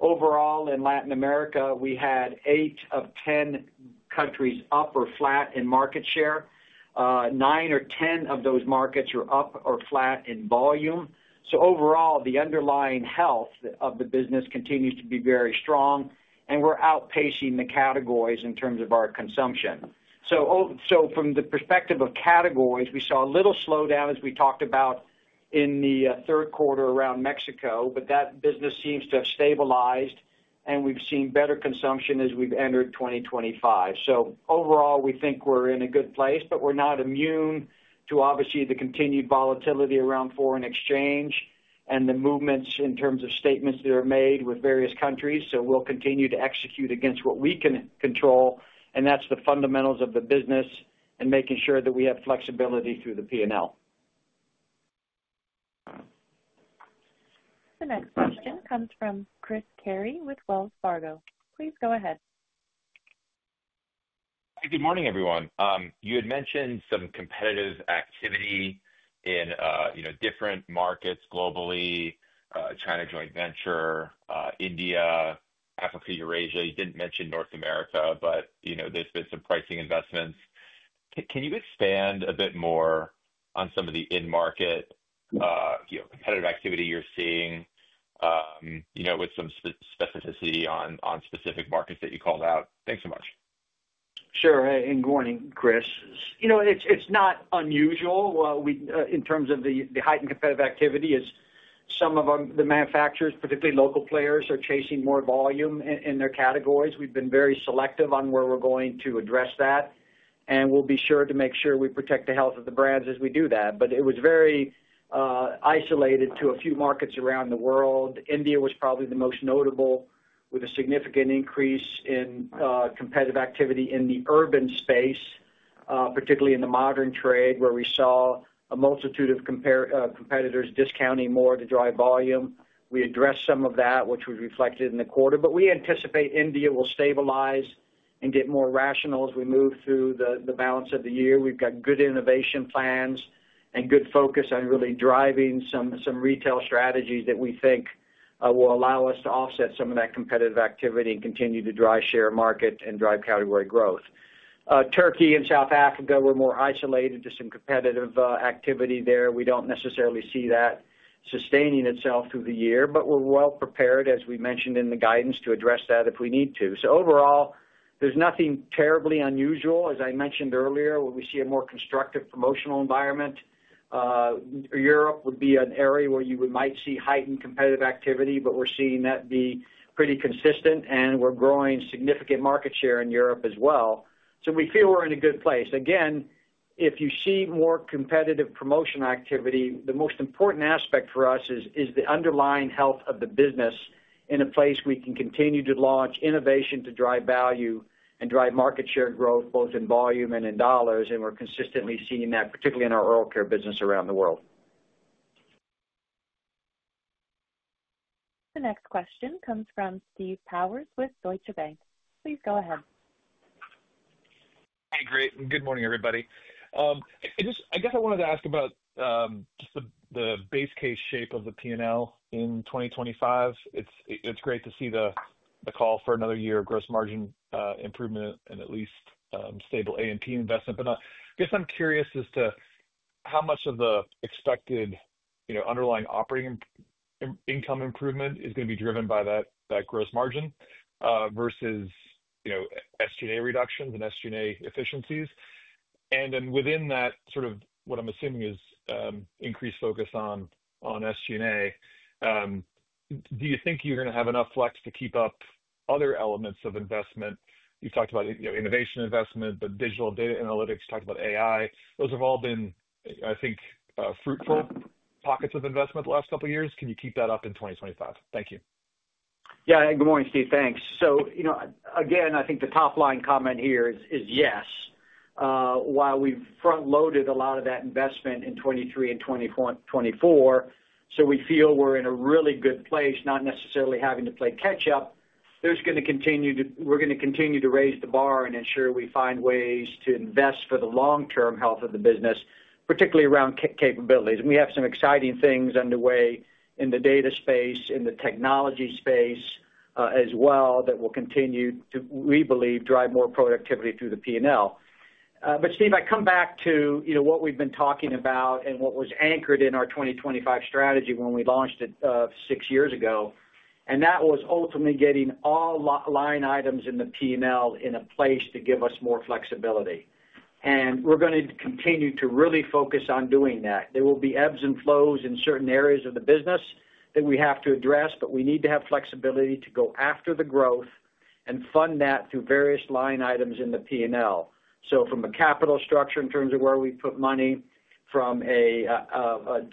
Speaker 3: Overall, in Latin America, we had eight of 10 countries up or flat in market share. Nine or 10 of those markets are up or flat in volume. So, overall, the underlying health of the business continues to be very strong, and we're outpacing the categories in terms of our consumption. So, from the perspective of categories, we saw a little slowdown, as we talked about in the third quarter around Mexico, but that business seems to have stabilized, and we've seen better consumption as we've entered 2025. So, overall, we think we're in a good place, but we're not immune to obviously the continued volatility around foreign exchange and the movements in terms of statements that are made with various countries. So, we'll continue to execute against what we can control, and that's the fundamentals of the business and making sure that we have flexibility through the P&L.
Speaker 1: The next question comes from Chris Carey with Wells Fargo. Please go ahead.
Speaker 14: Good morning, everyone. You had mentioned some competitive activity in, you know, different markets globally: China joint venture, India, Africa, Eurasia. You didn't mention North America, but, you know, there's been some pricing investments. Can you expand a bit more on some of the in-market, you know, competitive activity you're seeing, you know, with some specificity on specific markets that you called out? Thanks so much.
Speaker 3: Sure. And good morning, Chris. You know, it's not unusual in terms of the heightened competitive activity. Some of the manufacturers, particularly local players, are chasing more volume in their categories. We've been very selective on where we're going to address that, and we'll be sure to make sure we protect the health of the brands as we do that. But it was very isolated to a few markets around the world. India was probably the most notable with a significant increase in competitive activity in the urban space, particularly in the modern trade, where we saw a multitude of competitors discounting more to drive volume. We addressed some of that, which was reflected in the quarter. But we anticipate India will stabilize and get more rational as we move through the balance of the year. We've got good innovation plans and good focus on really driving some retail strategies that we think will allow us to offset some of that competitive activity and continue to drive market share and drive category growth. Turkey and South Africa were more isolated to some competitive activity there. We don't necessarily see that sustaining itself through the year, but we're well prepared, as we mentioned in the guidance, to address that if we need to. So, overall, there's nothing terribly unusual. As I mentioned earlier, we see a more constructive promotional environment. Europe would be an area where you might see heightened competitive activity, but we're seeing that be pretty consistent, and we're growing significant market share in Europe as well. So, we feel we're in a good place. Again, if you see more competitive promotion activity, the most important aspect for us is the underlying health of the business in a place we can continue to launch innovation to drive value and drive market share growth, both in volume and in dollars, and we're consistently seeing that, particularly in our Oral Care business around the world.
Speaker 1: The next question comes from Steve Powers with Deutsche Bank. Please go ahead.
Speaker 15: Hi, great. Good morning, everybody. I guess I wanted to ask about just the base case shape of the P&L in 2025. It's great to see the call for another year of gross margin improvement and at least stable A&P investment. But I guess I'm curious as to how much of the expected, you know, underlying operating income improvement is going to be driven by that gross margin versus, you know, SG&A reductions and SG&A efficiencies. And then within that, sort of what I'm assuming is increased focus on SG&A, do you think you're going to have enough flex to keep up other elements of investment? You talked about, you know, innovation investment, but digital data analytics, talked about AI. Those have all been, I think, fruitful pockets of investment the last couple of years. Can you keep that up in 2025? Thank you.
Speaker 3: Yeah. Good morning, Steve. Thanks, so you know, again, I think the top line comment here is yes. While we've front-loaded a lot of that investment in 2023 and 2024, so we feel we're in a really good place, not necessarily having to play catch-up, there's going to continue to, we're going to continue to raise the bar and ensure we find ways to invest for the long-term health of the business, particularly around capabilities, and we have some exciting things underway in the data space, in the technology space as well, that will continue to, we believe, drive more productivity through the P&L, but, Steve, I come back to, you know, what we've been talking about and what was anchored in our 2025 strategy when we launched it six years ago. And that was ultimately getting all line items in the P&L in a place to give us more flexibility. And we're going to continue to really focus on doing that. There will be ebbs and flows in certain areas of the business that we have to address, but we need to have flexibility to go after the growth and fund that through various line items in the P&L. So, from a capital structure in terms of where we put money, from a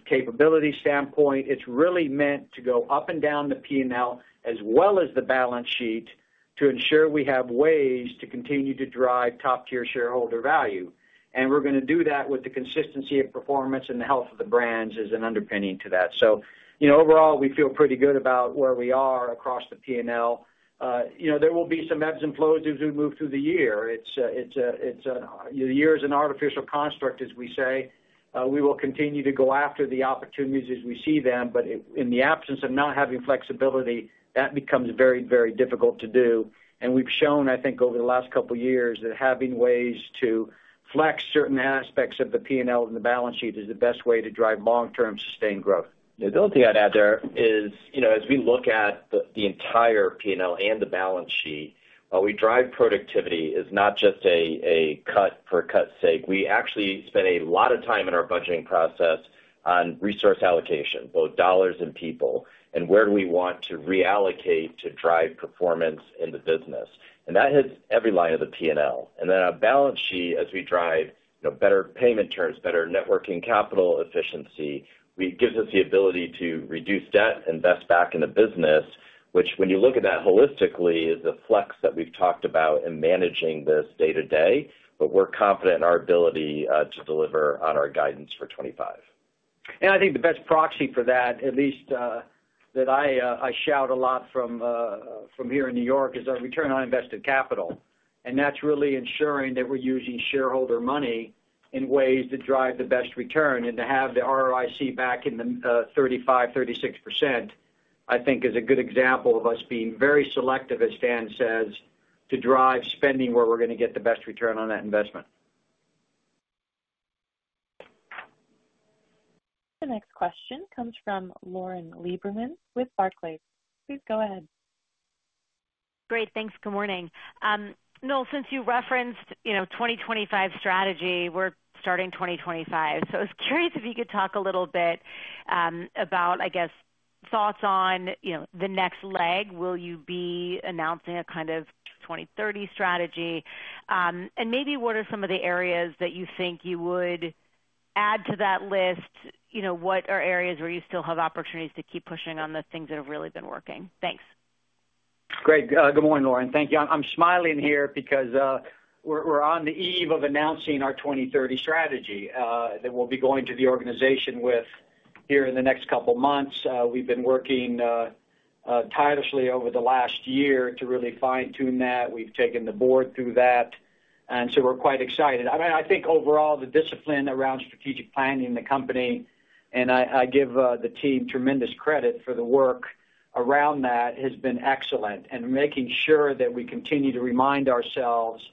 Speaker 3: capability standpoint, it's really meant to go up and down the P&L as well as the balance sheet to ensure we have ways to continue to drive top-tier shareholder value. And we're going to do that with the consistency of performance and the health of the brands as an underpinning to that. So, you know, overall, we feel pretty good about where we are across the P&L. You know, there will be some ebbs and flows as we move through the year. It's a, the year is an artificial construct, as we say. We will continue to go after the opportunities as we see them. But in the absence of not having flexibility, that becomes very, very difficult to do. And we've shown, I think, over the last couple of years that having ways to flex certain aspects of the P&L and the balance sheet is the best way to drive long-term sustained growth.
Speaker 6: The other thing I'd add there is, you know, as we look at the entire P&L and the balance sheet, what we drive productivity is not just a cut for cut's sake. We actually spend a lot of time in our budgeting process on resource allocation, both dollars and people, and where do we want to reallocate to drive performance in the business, and that hits every line of the P&L, and then our balance sheet, as we drive, you know, better payment terms, better net working capital efficiency, gives us the ability to reduce debt, invest back in the business, which, when you look at that holistically, is the flex that we've talked about in managing this day-to-day, but we're confident in our ability to deliver on our guidance for 2025.
Speaker 3: I think the best proxy for that, at least that I shout a lot from here in New York, is our return on invested capital. That's really ensuring that we're using shareholder money in ways that drive the best return. To have the ROIC back in the 35%-36%, I think, is a good example of us being very selective, as Stan says, to drive spending where we're going to get the best return on that investment.
Speaker 1: The next question comes from Lauren Lieberman with Barclays. Please go ahead.
Speaker 16: Great. Thanks. Good morning. Noel, since you referenced, you know, 2025 strategy, we're starting 2025. So, I was curious if you could talk a little bit about, I guess, thoughts on, you know, the next leg. Will you be announcing a kind of 2030 strategy? And maybe what are some of the areas that you think you would add to that list? You know, what are areas where you still have opportunities to keep pushing on the things that have really been working? Thanks.
Speaker 3: Great. Good morning, Lauren. Thank you. I'm smiling here because we're on the eve of announcing our 2030 strategy that we'll be going to the organization with here in the next couple of months. We've been working tirelessly over the last year to really fine-tune that. We've taken the Board through that. And so, we're quite excited. I mean, I think overall, the discipline around strategic planning in the company, and I give the team tremendous credit for the work around that, has been excellent. And making sure that we continue to remind ourselves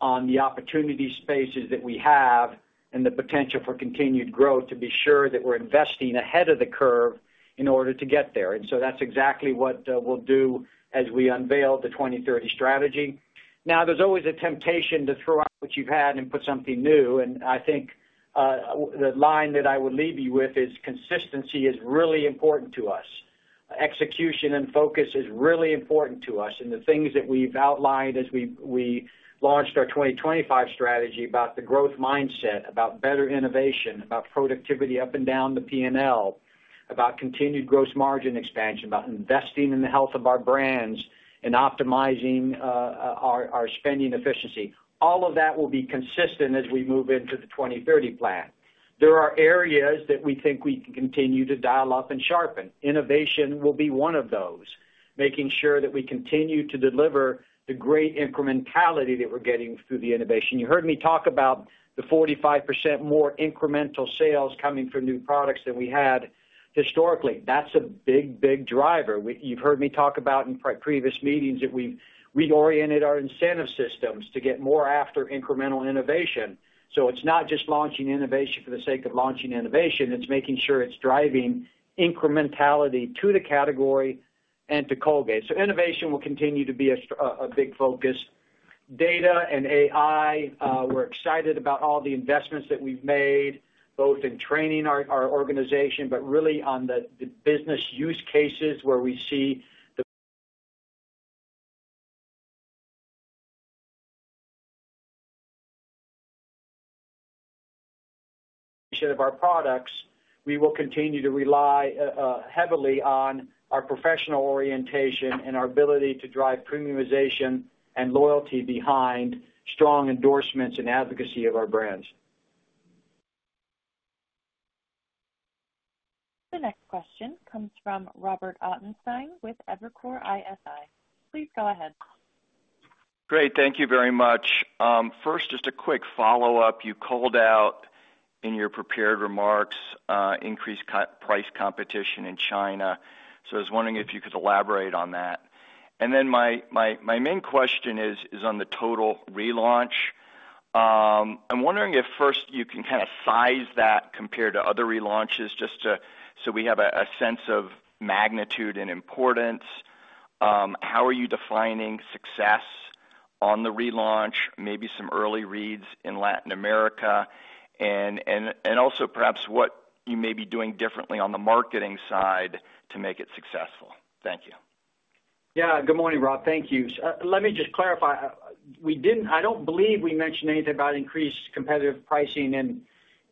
Speaker 3: on the opportunity spaces that we have and the potential for continued growth to be sure that we're investing ahead of the curve in order to get there. And so, that's exactly what we'll do as we unveil the 2030 strategy. Now, there's always a temptation to throw out what you've had and put something new. I think the line that I would leave you with is consistency is really important to us. Execution and focus is really important to us. The things that we've outlined as we launched our 2025 strategy about the growth mindset, about better innovation, about productivity up and down the P&L, about continued gross margin expansion, about investing in the health of our brands and optimizing our spending efficiency, all of that will be consistent as we move into the 2030 plan. There are areas that we think we can continue to dial up and sharpen. Innovation will be one of those, making sure that we continue to deliver the great incrementality that we're getting through the innovation. You heard me talk about the 45% more incremental sales coming from new products than we had historically. That's a big, big driver. You've heard me talk about in previous meetings that we've reoriented our incentive systems to get more after incremental innovation. So, it's not just launching innovation for the sake of launching innovation. It's making sure it's driving incrementality to the category and to Colgate. So, innovation will continue to be a big focus. Data and AI, we're excited about all the investments that we've made, both in training our organization, but really on the business use cases where we see the ROI of our products. We will continue to rely heavily on our professional orientation and our ability to drive premiumization and loyalty behind strong endorsements and advocacy of our brands.
Speaker 1: The next question comes from Robert Ottenstein with Evercore ISI. Please go ahead.
Speaker 17: Great. Thank you very much. First, just a quick follow-up. You called out in your prepared remarks increased price competition in China. So, I was wondering if you could elaborate on that. And then my main question is on the Total relaunch. I'm wondering if first you can kind of size that compared to other relaunches just so we have a sense of magnitude and importance. How are you defining success on the relaunch, maybe some early reads in Latin America, and also perhaps what you may be doing differently on the marketing side to make it successful? Thank you.
Speaker 3: Yeah. Good morning, Rob. Thank you. Let me just clarify. We didn't, I don't believe we mentioned anything about increased competitive pricing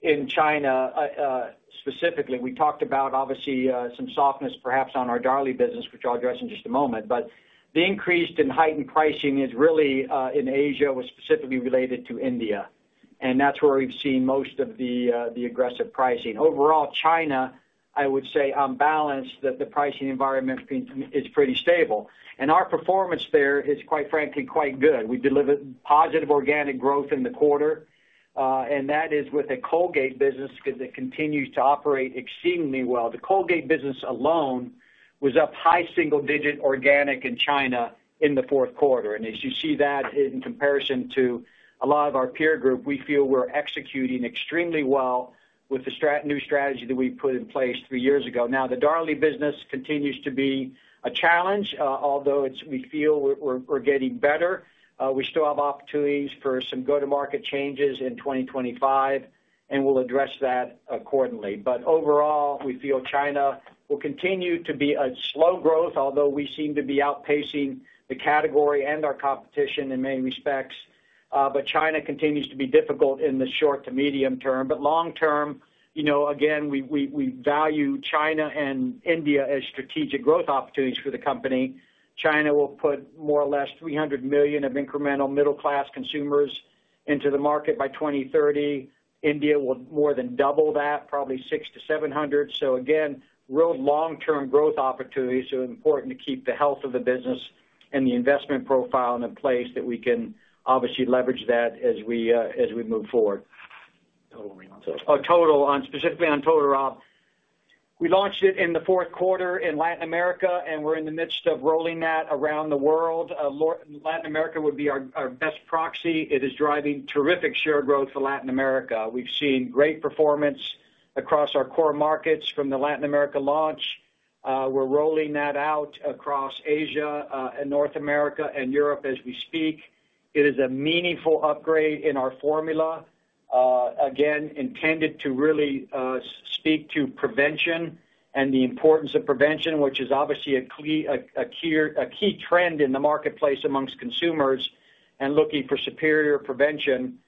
Speaker 3: in China specifically. We talked about, obviously, some softness perhaps on our Darlie business, which I'll address in just a moment. But the increased and heightened pricing is really in Asia, specifically related to India. And that's where we've seen most of the aggressive pricing. Overall, China, I would say on balance, that the pricing environment is pretty stable. And our performance there is, quite frankly, quite good. We delivered positive organic growth in the quarter. And that is with a Colgate business that continues to operate exceedingly well. The Colgate business alone was up high single-digit organic in China in the fourth quarter. As you see that in comparison to a lot of our peer group, we feel we're executing extremely well with the new strategy that we put in place three years ago. Now, the Darlie business continues to be a challenge, although we feel we're getting better. We still have opportunities for some go-to-market changes in 2025, and we'll address that accordingly. But overall, we feel China will continue to be a slow growth, although we seem to be outpacing the category and our competition in many respects. But China continues to be difficult in the short to medium term. But long term, you know, again, we value China and India as strategic growth opportunities for the company. China will put more or less 300 million of incremental middle-class consumers into the market by 2030. India will more than double that, probably 600-700. Again, real long-term growth opportunities are important to keep the health of the business and the investment profile in place that we can obviously leverage that as we move forward.
Speaker 17: Total relaunch.
Speaker 3: Oh, Total, specifically on Total, Rob. We launched it in the fourth quarter in Latin America, and we're in the midst of rolling that around the world. Latin America would be our best proxy. It is driving terrific share growth for Latin America. We've seen great performance across our core markets from the Latin America launch. We're rolling that out across Asia and North America and Europe as we speak. It is a meaningful upgrade in our formula, again, intended to really speak to prevention and the importance of prevention, which is obviously a key trend in the marketplace amongst consumers and looking for superior prevention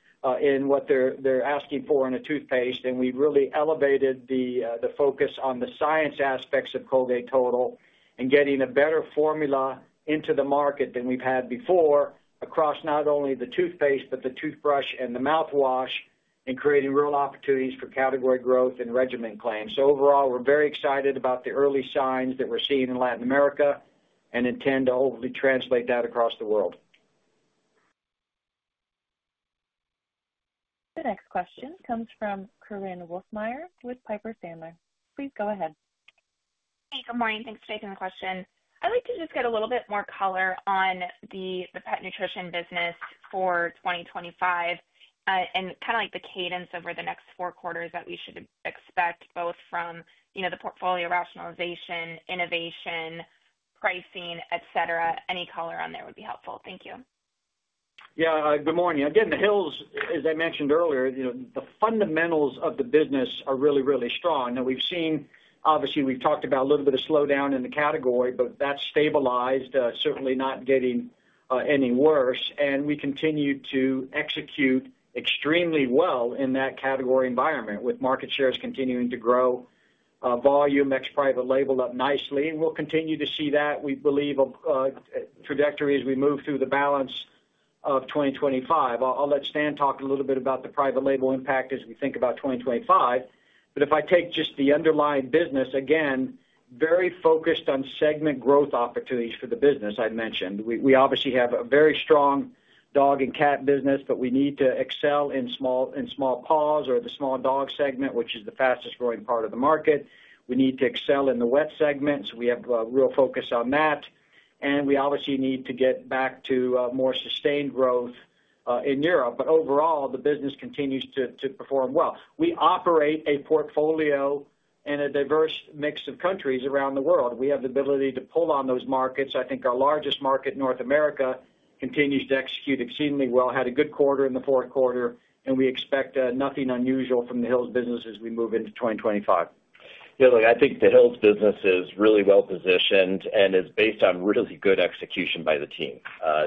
Speaker 3: in what they're asking for in a toothpaste. And we really elevated the focus on the science aspects of Colgate Total and getting a better formula into the market than we've had before across not only the toothpaste, but the toothbrush and the mouthwash and creating real opportunities for category growth and regimen claims. So, overall, we're very excited about the early signs that we're seeing in Latin America and intend to hopefully translate that across the world.
Speaker 1: The next question comes from Korinne Wolfmeyer with Piper Sandler. Please go ahead.
Speaker 18: Hey, good morning. Thanks for taking the question. I'd like to just get a little bit more color on the Pet Nutrition business for 2025 and kind of like the cadence over the next four quarters that we should expect, both from, you know, the portfolio rationalization, innovation, pricing, et cetera. Any color on there would be helpful? Thank you.
Speaker 3: Yeah. Good morning. Again, Hill's, as I mentioned earlier, you know, the fundamentals of the business are really, really strong. Now, we've seen, obviously, we've talked about a little bit of slowdown in the category, but that's stabilized, certainly not getting any worse, and we continue to execute extremely well in that category environment with market shares continuing to grow, volume ex-private label up nicely. We'll continue to see that, we believe, trajectory as we move through the balance of 2025. I'll let Stan talk a little bit about the private label impact as we think about 2025, but if I take just the underlying business, again, very focused on segment growth opportunities for the business I mentioned. We obviously have a very strong dog and cat business, but we need to excel in Small Paws or the small dog segment, which is the fastest growing part of the market. We need to excel in the wet segment. So, we have a real focus on that. And we obviously need to get back to more sustained growth in Europe. But overall, the business continues to perform well. We operate a portfolio and a diverse mix of countries around the world. We have the ability to pull on those markets. I think our largest market, North America, continues to execute exceedingly well. Had a good quarter in the fourth quarter. And we expect nothing unusual from the Hill's business as we move into 2025.
Speaker 6: Yeah. Look, I think the Hill's business is really well positioned and is based on really good execution by the team.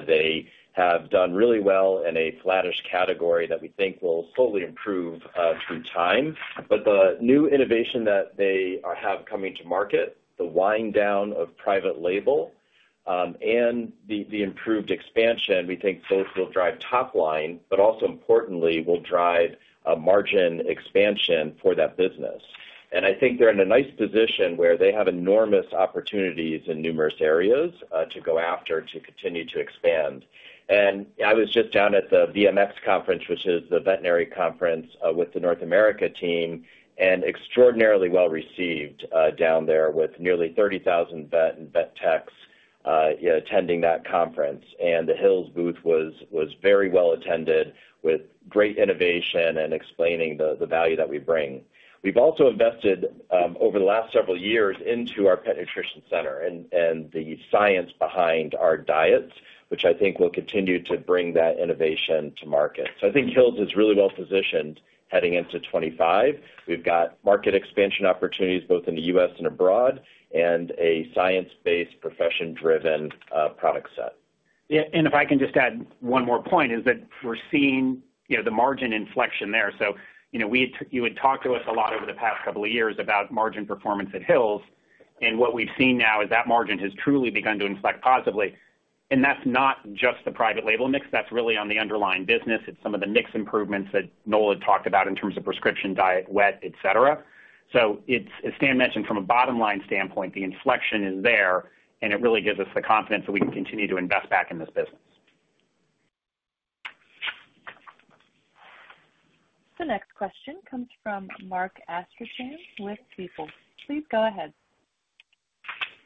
Speaker 6: They have done really well in a flattish category that we think will slowly improve through time. But the new innovation that they have coming to market, the wind down of private label and the improved expansion, we think both will drive top line, but also importantly, will drive a margin expansion for that business. And I think they're in a nice position where they have enormous opportunities in numerous areas to go after, to continue to expand. And I was just down at the VMX Conference, which is the veterinary conference with the North America team, and extraordinarily well received down there with nearly 30,000 vets and vet techs attending that conference. The Hill's booth was very well attended with great innovation and explaining the value that we bring. We've also invested over the last several years into our Pet Nutrition Center and the science behind our diets, which I think will continue to bring that innovation to market. I think Hill's is really well positioned heading into 2025. We've got market expansion opportunities both in the U.S. and abroad and a science-based, profession-driven product set.
Speaker 3: Yeah. And if I can just add one more point is that we're seeing, you know, the margin inflection there. So, you know, you had talked to us a lot over the past couple of years about margin performance at Hill's. And what we've seen now is that margin has truly begun to inflect positively. And that's not just the private label mix. That's really on the underlying business. It's some of the mix improvements that Noel had talked about in terms of Prescription Diet, wet, et cetera. So, as Stan mentioned, from a bottom-line standpoint, the inflection is there, and it really gives us the confidence that we can continue to invest back in this business.
Speaker 1: The next question comes from Mark Astrachan with Stifel. Please go ahead.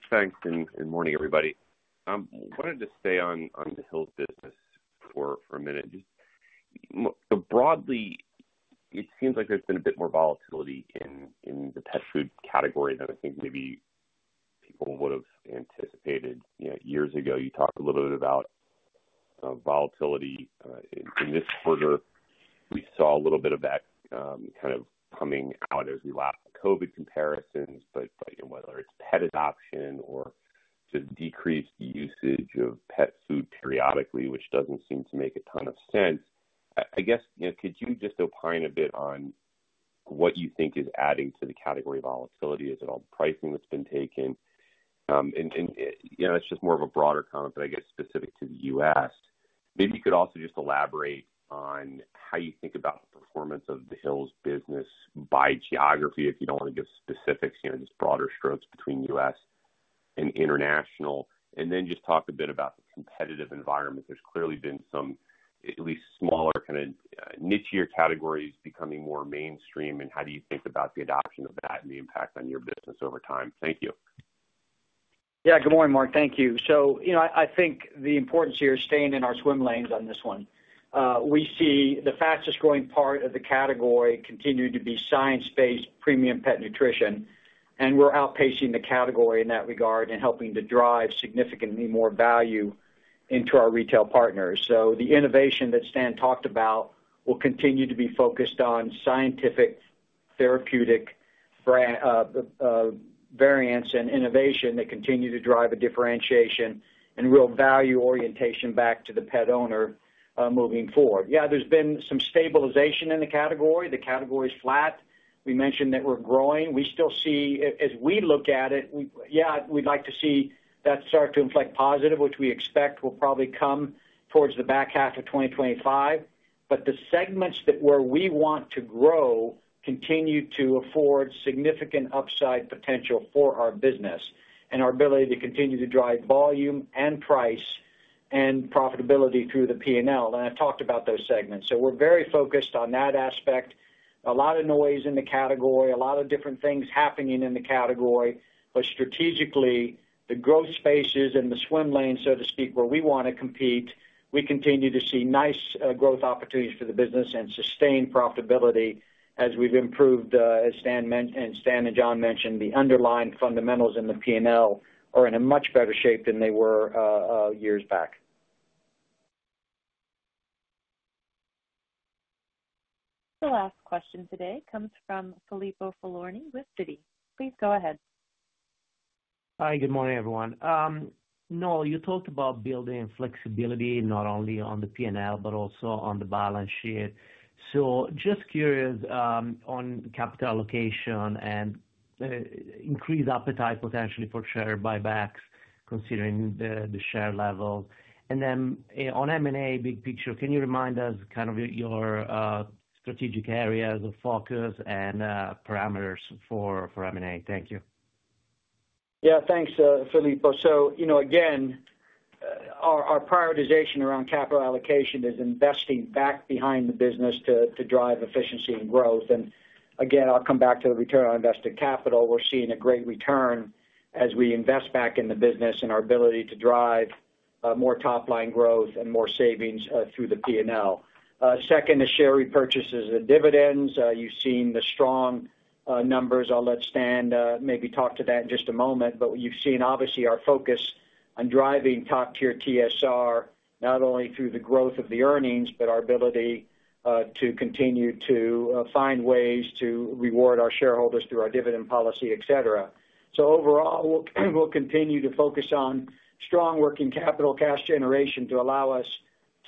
Speaker 19: Thanks. And good morning, everybody. I wanted to stay on the Hill's business for a minute. Just broadly, it seems like there's been a bit more volatility in the pet food category than I think maybe people would have anticipated years ago. You talked a little bit about volatility in this quarter. We saw a little bit of that kind of coming out as we lap last COVID comparisons, but whether it's pet adoption or just decreased usage of pet food periodically, which doesn't seem to make a ton of sense. I guess, you know, could you just opine a bit on what you think is adding to the category volatility? Is it all the pricing that's been taken? And, you know, that's just more of a broader comment that I guess is specific to the U.S. Maybe you could also just elaborate on how you think about the performance of the Hill's business by geography, if you don't want to give specifics, you know, just broader strokes between U.S. and international. And then just talk a bit about the competitive environment. There's clearly been some, at least smaller, kind of niche-ier categories becoming more mainstream. And how do you think about the adoption of that and the impact on your business over time? Thank you.
Speaker 3: Yeah. Good morning, Mark. Thank you. So, you know, I think the importance here is staying in our swim lanes on this one. We see the fastest growing part of the category continue to be science-based premium Pet Nutrition. And we're outpacing the category in that regard and helping to drive significantly more value into our retail partners. So, the innovation that Stan talked about will continue to be focused on scientific therapeutic variants and innovation that continue to drive a differentiation and real value orientation back to the pet owner moving forward. Yeah, there's been some stabilization in the category. The category is flat. We mentioned that we're growing. We still see, as we look at it, yeah, we'd like to see that start to inflect positive, which we expect will probably come towards the back half of 2025. But the segments where we want to grow continue to afford significant upside potential for our business and our ability to continue to drive volume and price and profitability through the P&L. And I talked about those segments. So, we're very focused on that aspect. A lot of noise in the category, a lot of different things happening in the category. But strategically, the growth spaces and the swim lane, so to speak, where we want to compete, we continue to see nice growth opportunities for the business and sustained profitability as we've improved, as Stan and John mentioned, the underlying fundamentals in the P&L are in a much better shape than they were years back.
Speaker 1: The last question today comes from Filippo Falorni with Citi. Please go ahead.
Speaker 20: Hi, good morning, everyone. Noel, you talked about building flexibility not only on the P&L, but also on the balance sheet. So, just curious on capital allocation and increased appetite potentially for share buybacks considering the share level. And then on M&A, big picture, can you remind us kind of your strategic areas of focus and parameters for M&A? Thank you.
Speaker 3: Yeah, thanks, Filippo. So, you know, again, our prioritization around capital allocation is investing back behind the business to drive efficiency and growth. And again, I'll come back to the return on invested capital. We're seeing a great return as we invest back in the business and our ability to drive more top-line growth and more savings through the P&L. Second, the share repurchases and dividends. You've seen the strong numbers. I'll let Stan maybe talk to that in just a moment. But you've seen, obviously, our focus on driving top-tier TSR not only through the growth of the earnings, but our ability to continue to find ways to reward our shareholders through our dividend policy, et cetera. So, overall, we'll continue to focus on strong working capital cash generation to allow us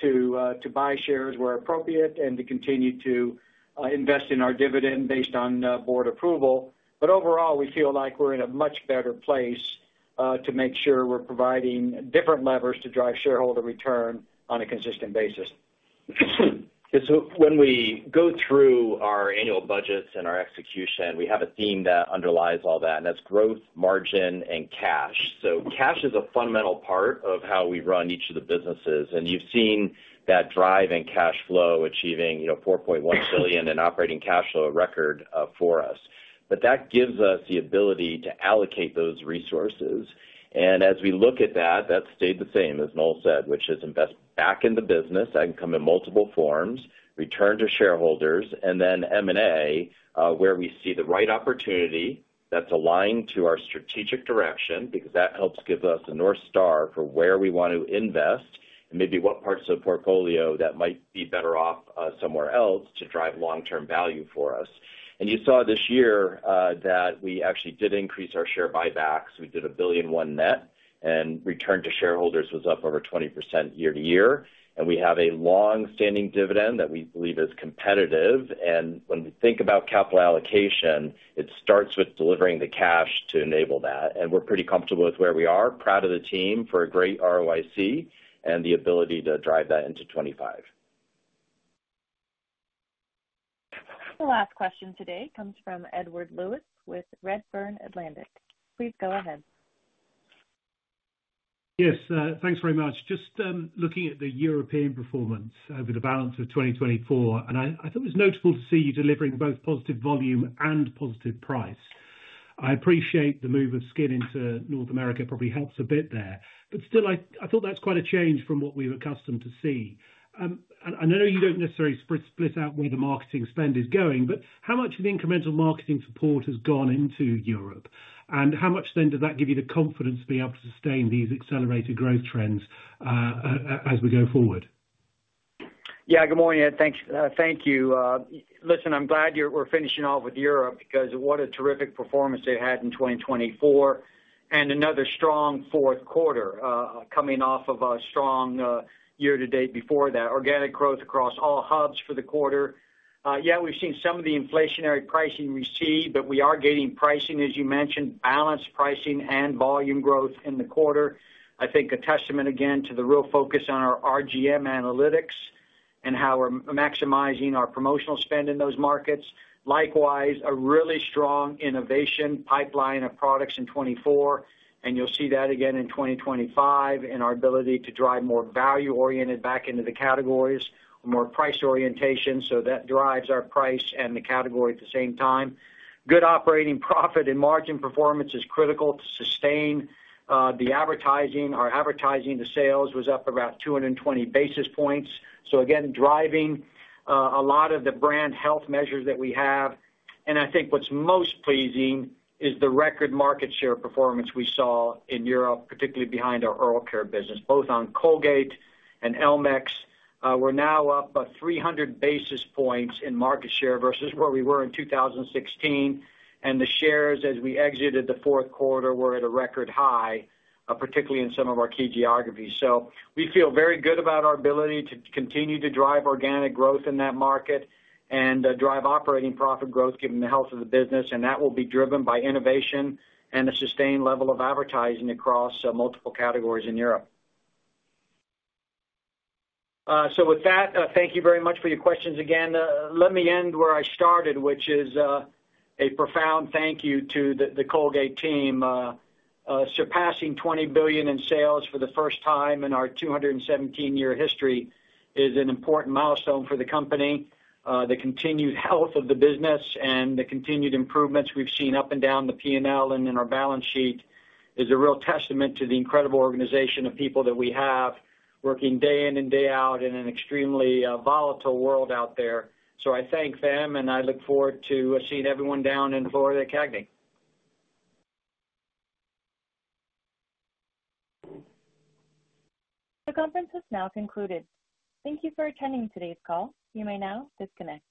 Speaker 3: to buy shares where appropriate and to continue to invest in our dividend based on Board approval. But overall, we feel like we're in a much better place to make sure we're providing different levers to drive shareholder return on a consistent basis.
Speaker 6: So, when we go through our annual budgets and our execution, we have a theme that underlies all that, and that's growth, margin, and cash. So, cash is a fundamental part of how we run each of the businesses. And you've seen that drive in cash flow achieving, you know, $4.1 billion in operating cash flow record for us. But that gives us the ability to allocate those resources. And as we look at that, that stayed the same, as Noel said, which is invest back in the business. That can come in multiple forms, return to shareholders, and then M&A, where we see the right opportunity that's aligned to our strategic direction because that helps give us a North Star for where we want to invest and maybe what parts of the portfolio that might be better off somewhere else to drive long-term value for us. And you saw this year that we actually did increase our share buybacks. We did $1.1 billion net, and return to shareholders was up over 20% year to year. And we have a long-standing dividend that we believe is competitive. And when we think about capital allocation, it starts with delivering the cash to enable that. And we're pretty comfortable with where we are, proud of the team for a great ROIC and the ability to drive that into 2025.
Speaker 1: The last question today comes from Edward Lewis with Redburn Atlantic. Please go ahead.
Speaker 21: Yes, thanks very much. Just looking at the European performance over the balance of 2024, and I thought it was notable to see you delivering both positive volume and positive price. I appreciate the move of Skin into North America probably helps a bit there. But still, I thought that's quite a change from what we were accustomed to see. And I know you don't necessarily split out where the marketing spend is going, but how much of the incremental marketing support has gone into Europe? And how much then does that give you the confidence to be able to sustain these accelerated growth trends as we go forward?
Speaker 3: Yeah, good morning. Thank you. Listen, I'm glad we're finishing off with Europe because what a terrific performance they've had in 2024 and another strong fourth quarter coming off of a strong year-to-date before that. Organic growth across all hubs for the quarter. Yeah, we've seen some of the inflationary pricing we see, but we are getting pricing, as you mentioned, balanced pricing and volume growth in the quarter. I think a testament again to the real focus on our RGM analytics and how we're maximizing our promotional spend in those markets. Likewise, a really strong innovation pipeline of products in 2024. And you'll see that again in 2025 in our ability to drive more value-oriented back into the categories, more price orientation. So, that drives our price and the category at the same time. Good operating profit and margin performance is critical to sustain the advertising. Our advertising to sales was up about 220 basis points. So, again, driving a lot of the brand health measures that we have. And I think what's most pleasing is the record market share performance we saw in Europe, particularly behind our Oral Care business, both on Colgate and Elmex. We're now up 300 basis points in market share versus where we were in 2016. And the shares, as we exited the fourth quarter, were at a record high, particularly in some of our key geographies. So, we feel very good about our ability to continue to drive organic growth in that market and drive operating profit growth given the health of the business. And that will be driven by innovation and a sustained level of advertising across multiple categories in Europe. So, with that, thank you very much for your questions again. Let me end where I started, which is a profound thank you to the Colgate team. Surpassing $20 billion in sales for the first time in our 217-year history is an important milestone for the company. The continued health of the business and the continued improvements we've seen up and down the P&L and in our balance sheet is a real testament to the incredible organization of people that we have working day in and day out in an extremely volatile world out there. So, I thank them, and I look forward to seeing everyone down in Florida at CAGNY.
Speaker 1: The conference has now concluded. Thank you for attending today's call. You may now disconnect.